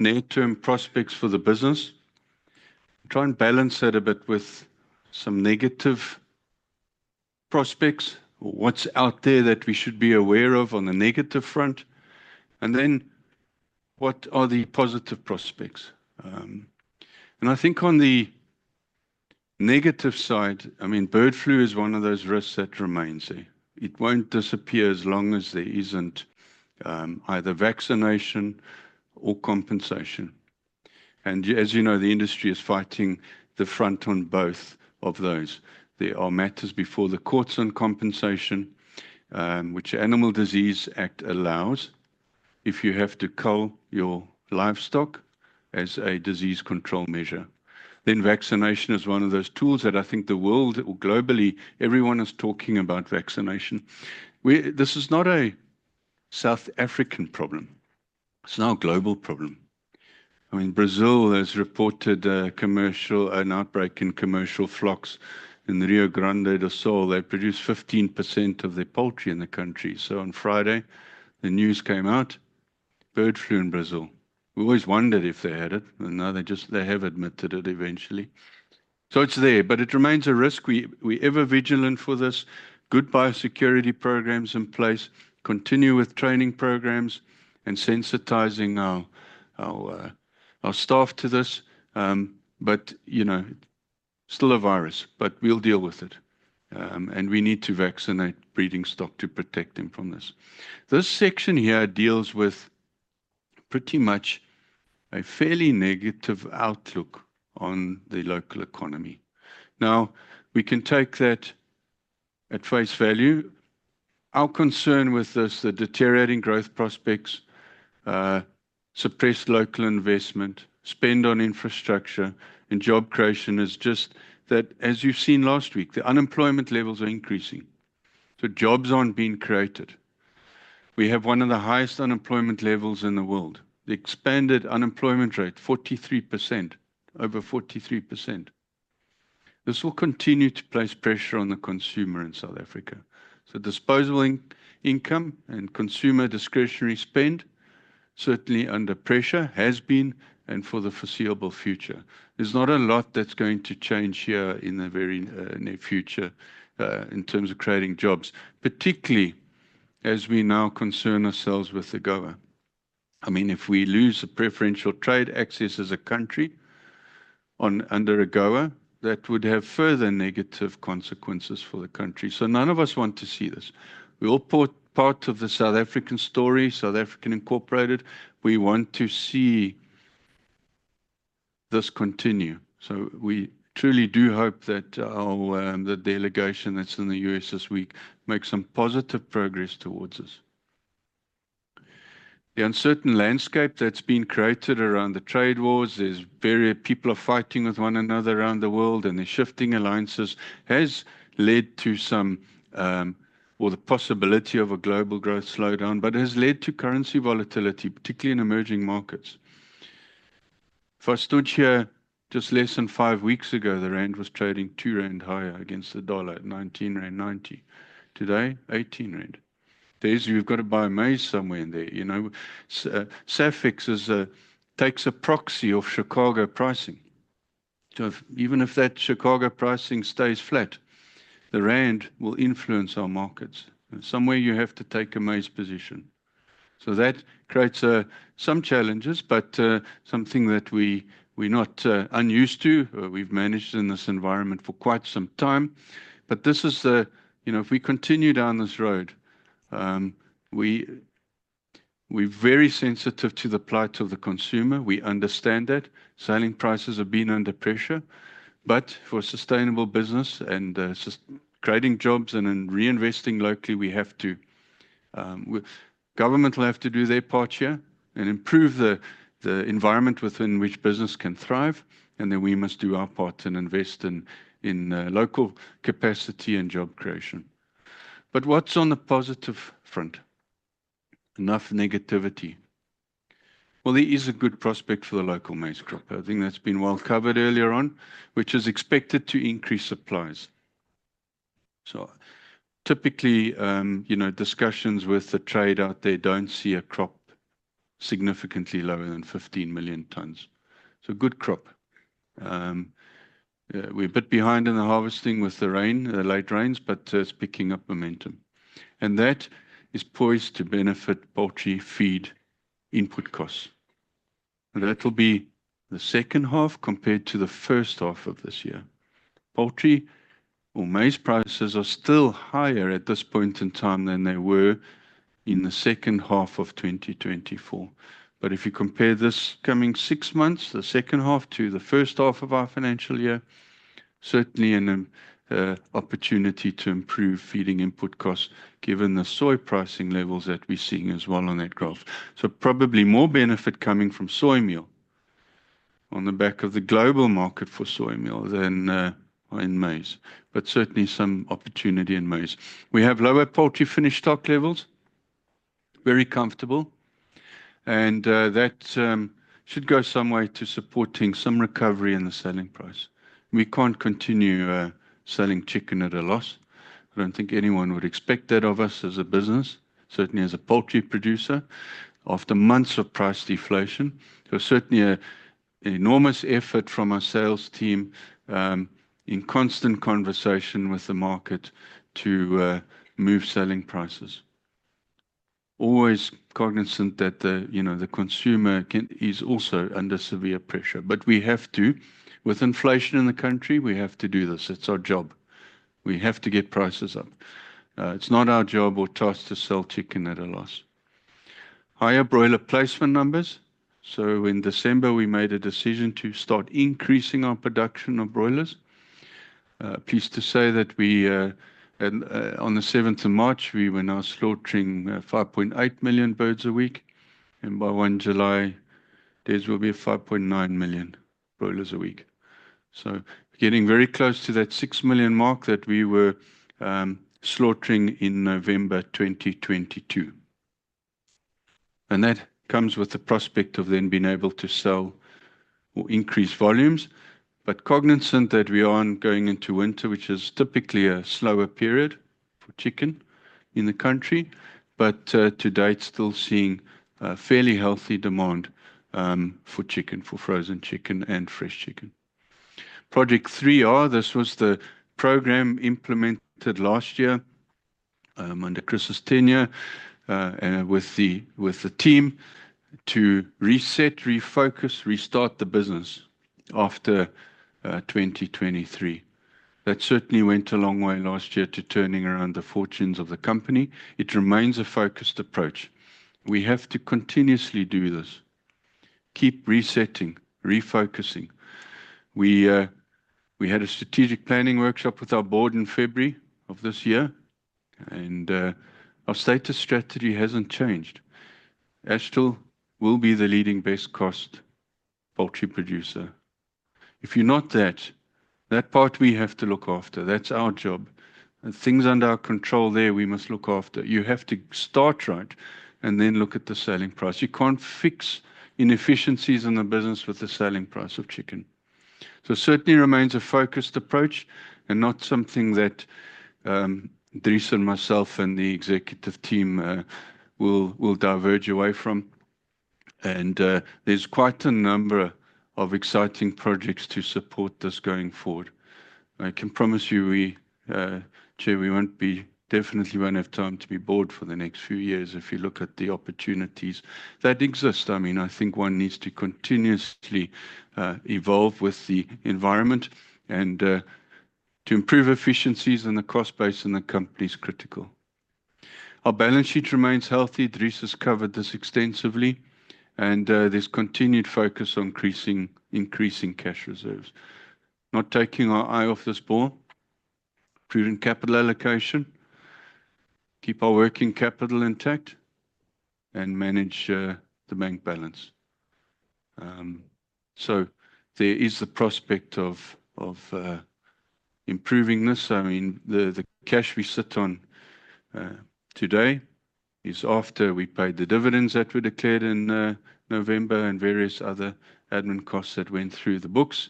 Speaker 2: near-term prospects for the business, try and balance it a bit with some negative prospects, what's out there that we should be aware of on the negative front. What are the positive prospects? I think on the negative side, I mean, bird flu is one of those risks that remains. It won't disappear as long as there isn't either vaccination or compensation. As you know, the industry is fighting the front on both of those. There are matters before the courts on compensation, which the Animal Disease Act allows if you have to cull your livestock as a disease control measure. Vaccination is one of those tools that I think the world globally, everyone is talking about vaccination. This is not a South African problem. It is now a global problem. I mean, Brazil has reported an outbreak in commercial flocks in the Rio Grande do Sul. They produce 15% of the poultry in the country. On Friday, the news came out, bird flu in Brazil. We always wondered if they had it. Now they have admitted it eventually. It is there, but it remains a risk. We are ever vigilant for this. Good biosecurity programs in place, continue with training programs and sensitizing our staff to this. You know, still a virus, but we'll deal with it. We need to vaccinate breeding stock to protect them from this. This section here deals with pretty much a fairly negative outlook on the local economy. Now, we can take that at face value. Our concern with this, the deteriorating growth prospects, suppressed local investment, spend on infrastructure, and job creation is just that, as you've seen last week, the unemployment levels are increasing. Jobs aren't being created. We have one of the highest unemployment levels in the world. The expanded unemployment rate, 43%, over 43%. This will continue to place pressure on the consumer in South Africa. Disposable income and consumer discretionary spend, certainly under pressure, has been and for the foreseeable future. There's not a lot that's going to change here in the very near future in terms of creating jobs, particularly as we now concern ourselves with AGOA. I mean, if we lose the preferential trade access as a country under AGOA, that would have further negative consequences for the country. None of us want to see this. We're all part of the South African story, South African Incorporated. We want to see this continue. We truly do hope that the delegation that's in the U.S. this week makes some positive progress towards us. The uncertain landscape that's been created around the trade wars, as various people are fighting with one another around the world and they're shifting alliances, has led to some, or the possibility of a global growth slowdown, but it has led to currency volatility, particularly in emerging markets. If I stood here just less than five weeks ago, the rand was trading 2 rand higher against the dollar at 19.90 rand. Today, 18 rand. There's, we've got to buy maize somewhere in there. SAFEX takes a proxy of Chicago pricing. So even if that Chicago pricing stays flat, the rand will influence our markets. Somewhere you have to take a maize position. That creates some challenges, but something that we're not unused to. We've managed in this environment for quite some time. This is the, you know, if we continue down this road, we're very sensitive to the plight of the consumer. We understand that. Selling prices have been under pressure. For sustainable business and creating jobs and reinvesting locally, we have to. Government will have to do their part here and improve the environment within which business can thrive. We must do our part and invest in local capacity and job creation. What is on the positive front? Enough negativity. There is a good prospect for the local maize crop. I think that has been well covered earlier on, which is expected to increase supplies. Typically, you know, discussions with the trade out there do not see a crop significantly lower than 15 million tons. Good crop. We are a bit behind in the harvesting with the late rains, but it is picking up momentum. That is poised to benefit poultry feed input costs. That will be the second half compared to the first half of this year. Poultry or maize prices are still higher at this point in time than they were in the second half of 2024. If you compare this coming six months, the second half to the first half of our financial year, certainly an opportunity to improve feeding input costs given the soy pricing levels that we're seeing as well on that graph. Probably more benefit coming from soy meal on the back of the global market for soy meal than in maize. Certainly some opportunity in maize. We have lower poultry finished stock levels. Very comfortable. That should go some way to supporting some recovery in the selling price. We can't continue selling chicken at a loss. I don't think anyone would expect that of us as a business, certainly as a poultry producer after months of price deflation. There was certainly an enormous effort from our sales team in constant conversation with the market to move selling prices. Always cognizant that the consumer is also under severe pressure. We have to, with inflation in the country, we have to do this. It's our job. We have to get prices up. It's not our job or task to sell chicken at a loss. Higher broiler placement numbers. In December, we made a decision to start increasing our production of broilers. Pleased to say that on the 7th of March, we were now slaughtering 5.8 million birds a week. By 1 July, there will be 5.9 million broilers a week. Getting very close to that 6 million mark that we were slaughtering in November 2022. That comes with the prospect of then being able to sell or increase volumes. Cognizant that we are going into winter, which is typically a slower period for chicken in the country. To date, still seeing fairly healthy demand for chicken, for frozen chicken and fresh chicken. Project 3R, this was the program implemented last year under Chris's tenure with the team to reset, refocus, restart the business after 2023. That certainly went a long way last year to turning around the fortunes of the company. It remains a focused approach. We have to continuously do this. Keep resetting, refocusing. We had a strategic planning workshop with our board in February of this year. Our status strategy hasn't changed. Astral will be the leading best cost poultry producer. If you're not that, that part we have to look after. That's our job. Things under our control there, we must look after. You have to start right and then look at the selling price. You can't fix inefficiencies in the business with the selling price of chicken. It certainly remains a focused approach and not something that Theresa and myself and the executive team will diverge away from. There are quite a number of exciting projects to support this going forward. I can promise you, Chair, we definitely will not have time to be bored for the next few years if you look at the opportunities that exist. I mean, I think one needs to continuously evolve with the environment and to improve efficiencies and the cost base in the company is critical. Our balance sheet remains healthy. Theresa has covered this extensively. There is continued focus on increasing cash reserves. Not taking our eye off this ball. Proven capital allocation. Keep our working capital intact and manage the bank balance. There is the prospect of improving this. I mean, the cash we sit on today is after we paid the dividends that were declared in November and various other admin costs that went through the books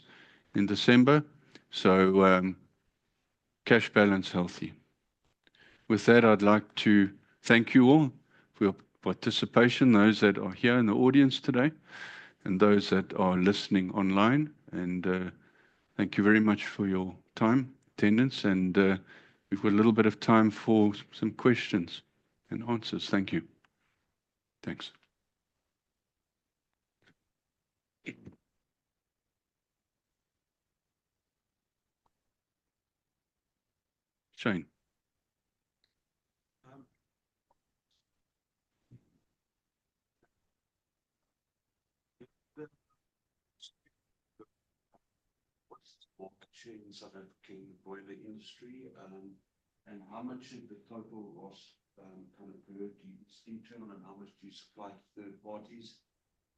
Speaker 2: in December. So cash balance healthy. With that, I'd like to thank you all for your participation, those that are here in the audience today and those that are listening online. Thank you very much for your time, attendance. We've got a little bit of time for some questions-and-answers. Thank you. Thanks. Shane. What's the market share inside of the broiler industry? And how much of the total loss kind of bird do you steam to and how much do you supply to third parties?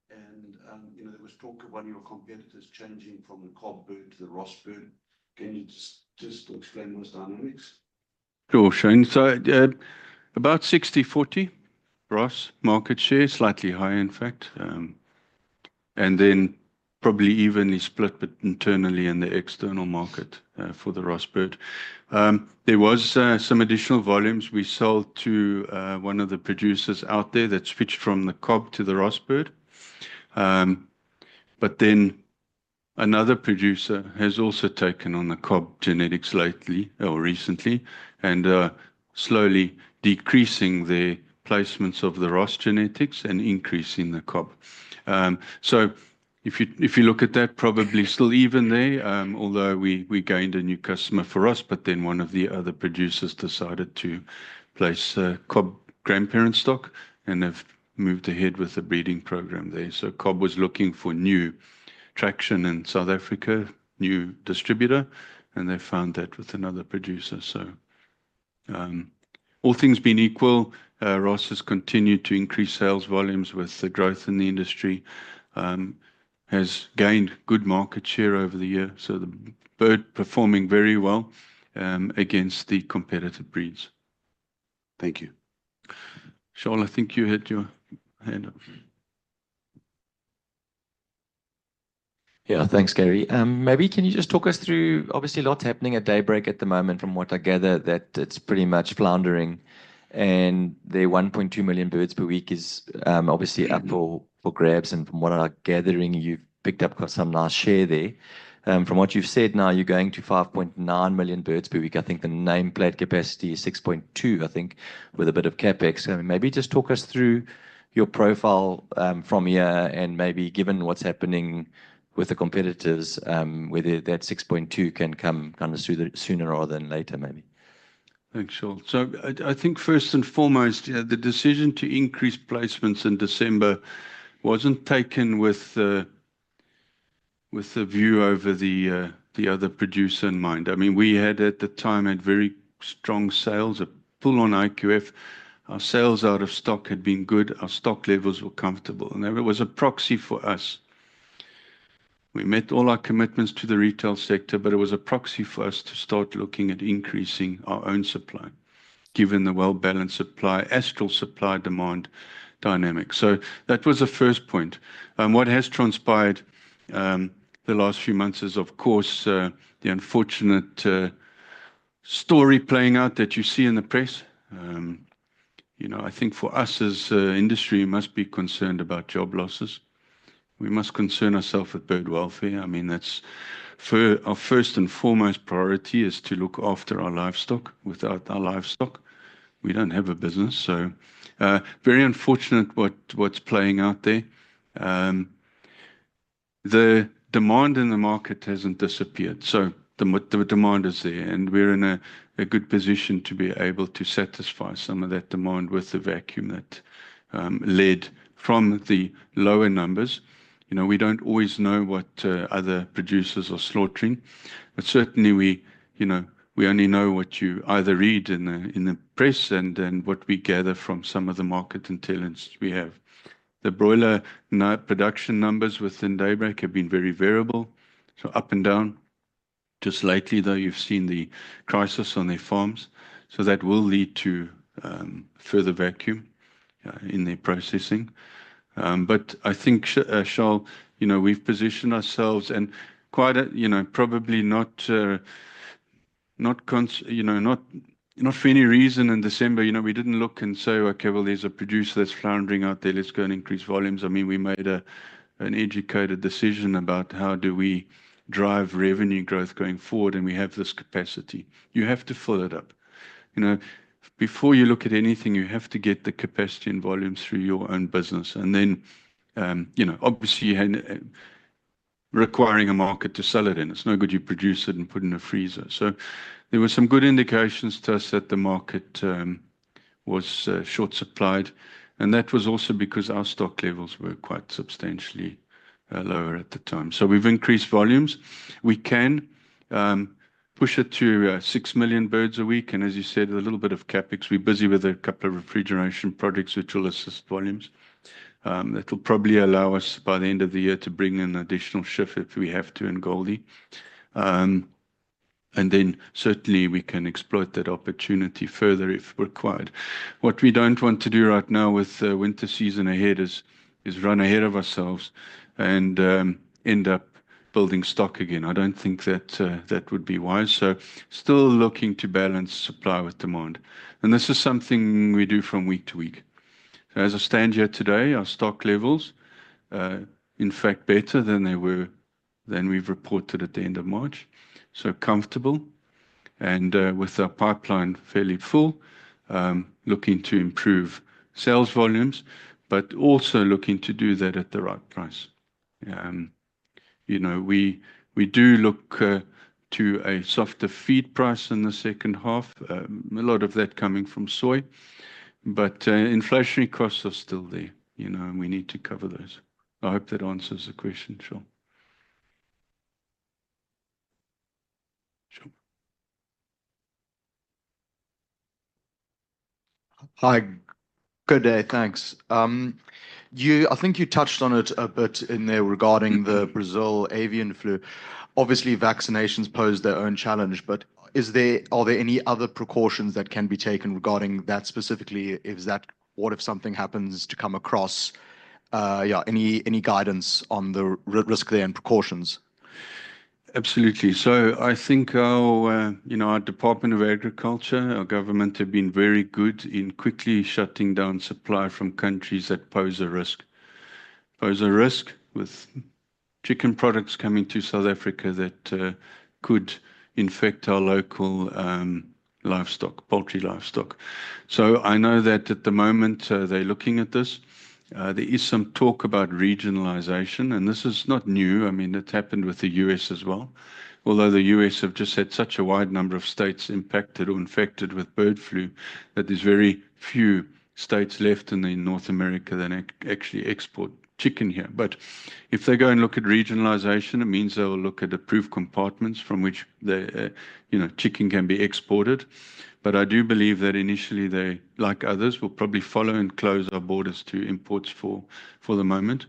Speaker 2: There was talk of one of your competitors changing from the Cobb bird to the Ross bird. Can you just explain those dynamics? Sure, Shane. About 60-40, Ross market share, slightly higher in fact. Then probably evenly split internally in the external market for the Ross bird. There was some additional volumes. We sold to one of the producers out there that switched from the Cobb to the Ross bird. Another producer has also taken on the Cobb genetics lately or recently and is slowly decreasing the placements of the Ross genetics and increasing the Cobb. If you look at that, probably still even there, although we gained a new customer for us, but then one of the other producers decided to place Cobb grandparent stock and have moved ahead with the breeding program there. Cobb was looking for new traction in South Africa, new distributor, and they found that with another producer. All things being equal, Ross has continued to increase sales volumes with the growth in the industry, has gained good market share over the year. The bird is performing very well against the competitive breeds. Thank you. Shaul, I think you had your hand up. Yeah, thanks, Gary. Maybe can you just talk us through, obviously, a lot happening at Daybreak at the moment. From what I gather, it is pretty much floundering. The 1.2 million birds per week is obviously up for grabs. From what I'm gathering, you've picked up some nice share there. From what you've said now, you're going to 5.9 million birds per week. I think the nameplate capacity is 6.2, I think, with a bit of CapEx. Maybe just talk us through your profile from here and maybe given what's happening with the competitors, whether that 6.2 can come kind of sooner rather than later maybe. Thanks, Shaul. I think first and foremost, the decision to increase placements in December was not taken with the view over the other producer in mind. I mean, we had at the time had very strong sales, a pull on IQF. Our sales out of stock had been good. Our stock levels were comfortable. There was a proxy for us. We met all our commitments to the retail sector, but it was a proxy for us to start looking at increasing our own supply given the well-balanced supply, Astral supply demand dynamic. That was the first point. What has transpired the last few months is, of course, the unfortunate story playing out that you see in the press. I think for us as an industry, we must be concerned about job losses. We must concern ourselves with bird welfare. I mean, our first and foremost priority is to look after our livestock. Without our livestock, we do not have a business. Very unfortunate what is playing out there. The demand in the market has not disappeared. The demand is there. We are in a good position to be able to satisfy some of that demand with the vacuum that led from the lower numbers. We do not always know what other producers are slaughtering. Certainly, we only know what you either read in the press and what we gather from some of the market intelligence we have. The broiler production numbers within Daybreak have been very variable, up and down. Just lately, though, you have seen the crisis on their farms. That will lead to further vacuum in their processing. I think, Shaul, we've positioned ourselves and quite a, you know, probably not, not for any reason in December, you know, we didn't look and say, okay, well, there's a producer that's floundering out there. Let's go and increase volumes. I mean, we made an educated decision about how do we drive revenue growth going forward and we have this capacity. You have to fill it up. Before you look at anything, you have to get the capacity and volume through your own business. Obviously, requiring a market to sell it in. It's no good you produce it and put in a freezer. There were some good indications to us that the market was short supplied. That was also because our stock levels were quite substantially lower at the time. We've increased volumes. We can push it to 6 million birds a week. As you said, a little bit of CapEx. We're busy with a couple of refrigeration projects which will assist volumes. It'll probably allow us by the end of the year to bring in an additional shift if we have to in Goldi. Certainly we can exploit that opportunity further if required. What we don't want to do right now with the winter season ahead is run ahead of ourselves and end up building stock again. I don't think that that would be wise. Still looking to balance supply with demand. This is something we do from week-to-week. As I stand here today, our stock levels, in fact, better than they were than we've reported at the end of March. So comfortable and with our pipeline fairly full, looking to improve sales volumes, but also looking to do that at the right price. We do look to a softer feed price in the second half. A lot of that coming from soy. But inflationary costs are still there. We need to cover those. I hope that answers the question, Shaul. Hi. Good day, thanks. I think you touched on it a bit in there regarding the Brazil avian flu. Obviously, vaccinations pose their own challenge, but are there any other precautions that can be taken regarding that specifically? What if something happens to come across? Any guidance on the risk there and precautions? Absolutely. I think our Department of Agriculture, our government, have been very good in quickly shutting down supply from countries that pose a risk. Pose a risk with chicken products coming to South Africa that could infect our local livestock, poultry livestock. I know that at the moment, they're looking at this. There is some talk about regionalization, and this is not new. I mean, it's happened with the U.S. as well. Although the U.S. have just had such a wide number of states impacted or infected with bird flu, that there's very few states left in North America that actually export chicken here. If they go and look at regionalization, it means they will look at approved compartments from which chicken can be exported. I do believe that initially, they, like others, will probably follow and close our borders to imports for the moment.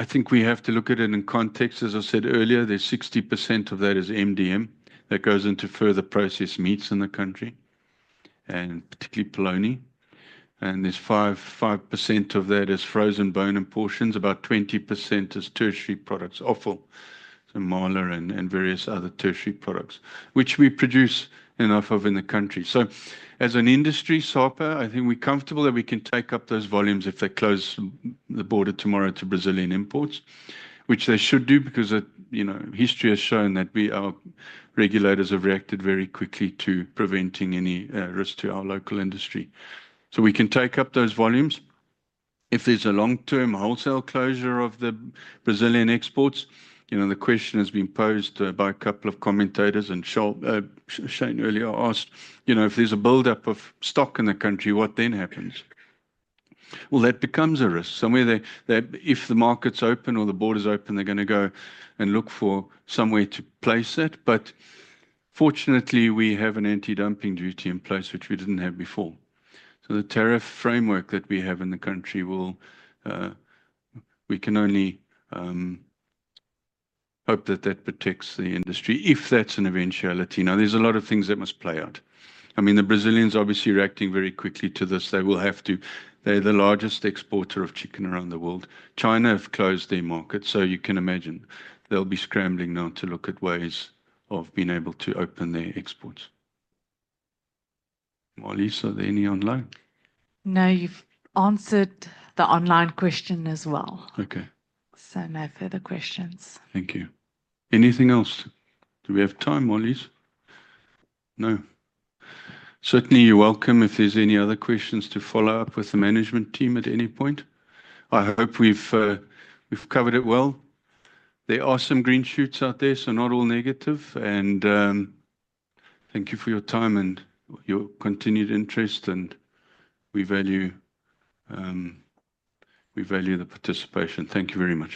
Speaker 2: I think we have to look at it in context. As I said earlier, 60% of that is MDM that goes into further processed meats in the country, and particularly polony. There's 5% of that that is frozen bone-in portions. About 20% is tertiary products, offal, some miler, and various other tertiary products, which we produce enough of in the country. As an industry cyper, I think we're comfortable that we can take up those volumes if they close the border tomorrow to Brazilian imports, which they should do because history has shown that our regulators have reacted very quickly to preventing any risk to our local industry. We can take up those volumes. If there's a long-term wholesale closure of the Brazilian exports, the question has been posed by a couple of commentators, and Shane earlier asked, if there's a buildup of stock in the country, what then happens? That becomes a risk. Somewhere there, if the market's open or the border's open, they're going to go and look for somewhere to place it. Fortunately, we have an anti-dumping duty in place, which we did not have before. The tariff framework that we have in the country, we can only hope that that protects the industry if that's an eventuality. Now, there are a lot of things that must play out. I mean, the Brazilians obviously are reacting very quickly to this. They will have to. They are the largest exporter of chicken around the world. China have closed their market, so you can imagine they'll be scrambling now to look at ways of being able to open their exports. Marlize, are there any online?
Speaker 1: No, you've answered the online question as well. Okay. No further questions.
Speaker 2: Thank you. Anything else? Do we have time, Marlize? No. Certainly, you're welcome if there's any other questions to follow up with the management team at any point. I hope we've covered it well. There are some green shoots out there, so not all negative. Thank you for your time and your continued interest, and we value the participation. Thank you very much.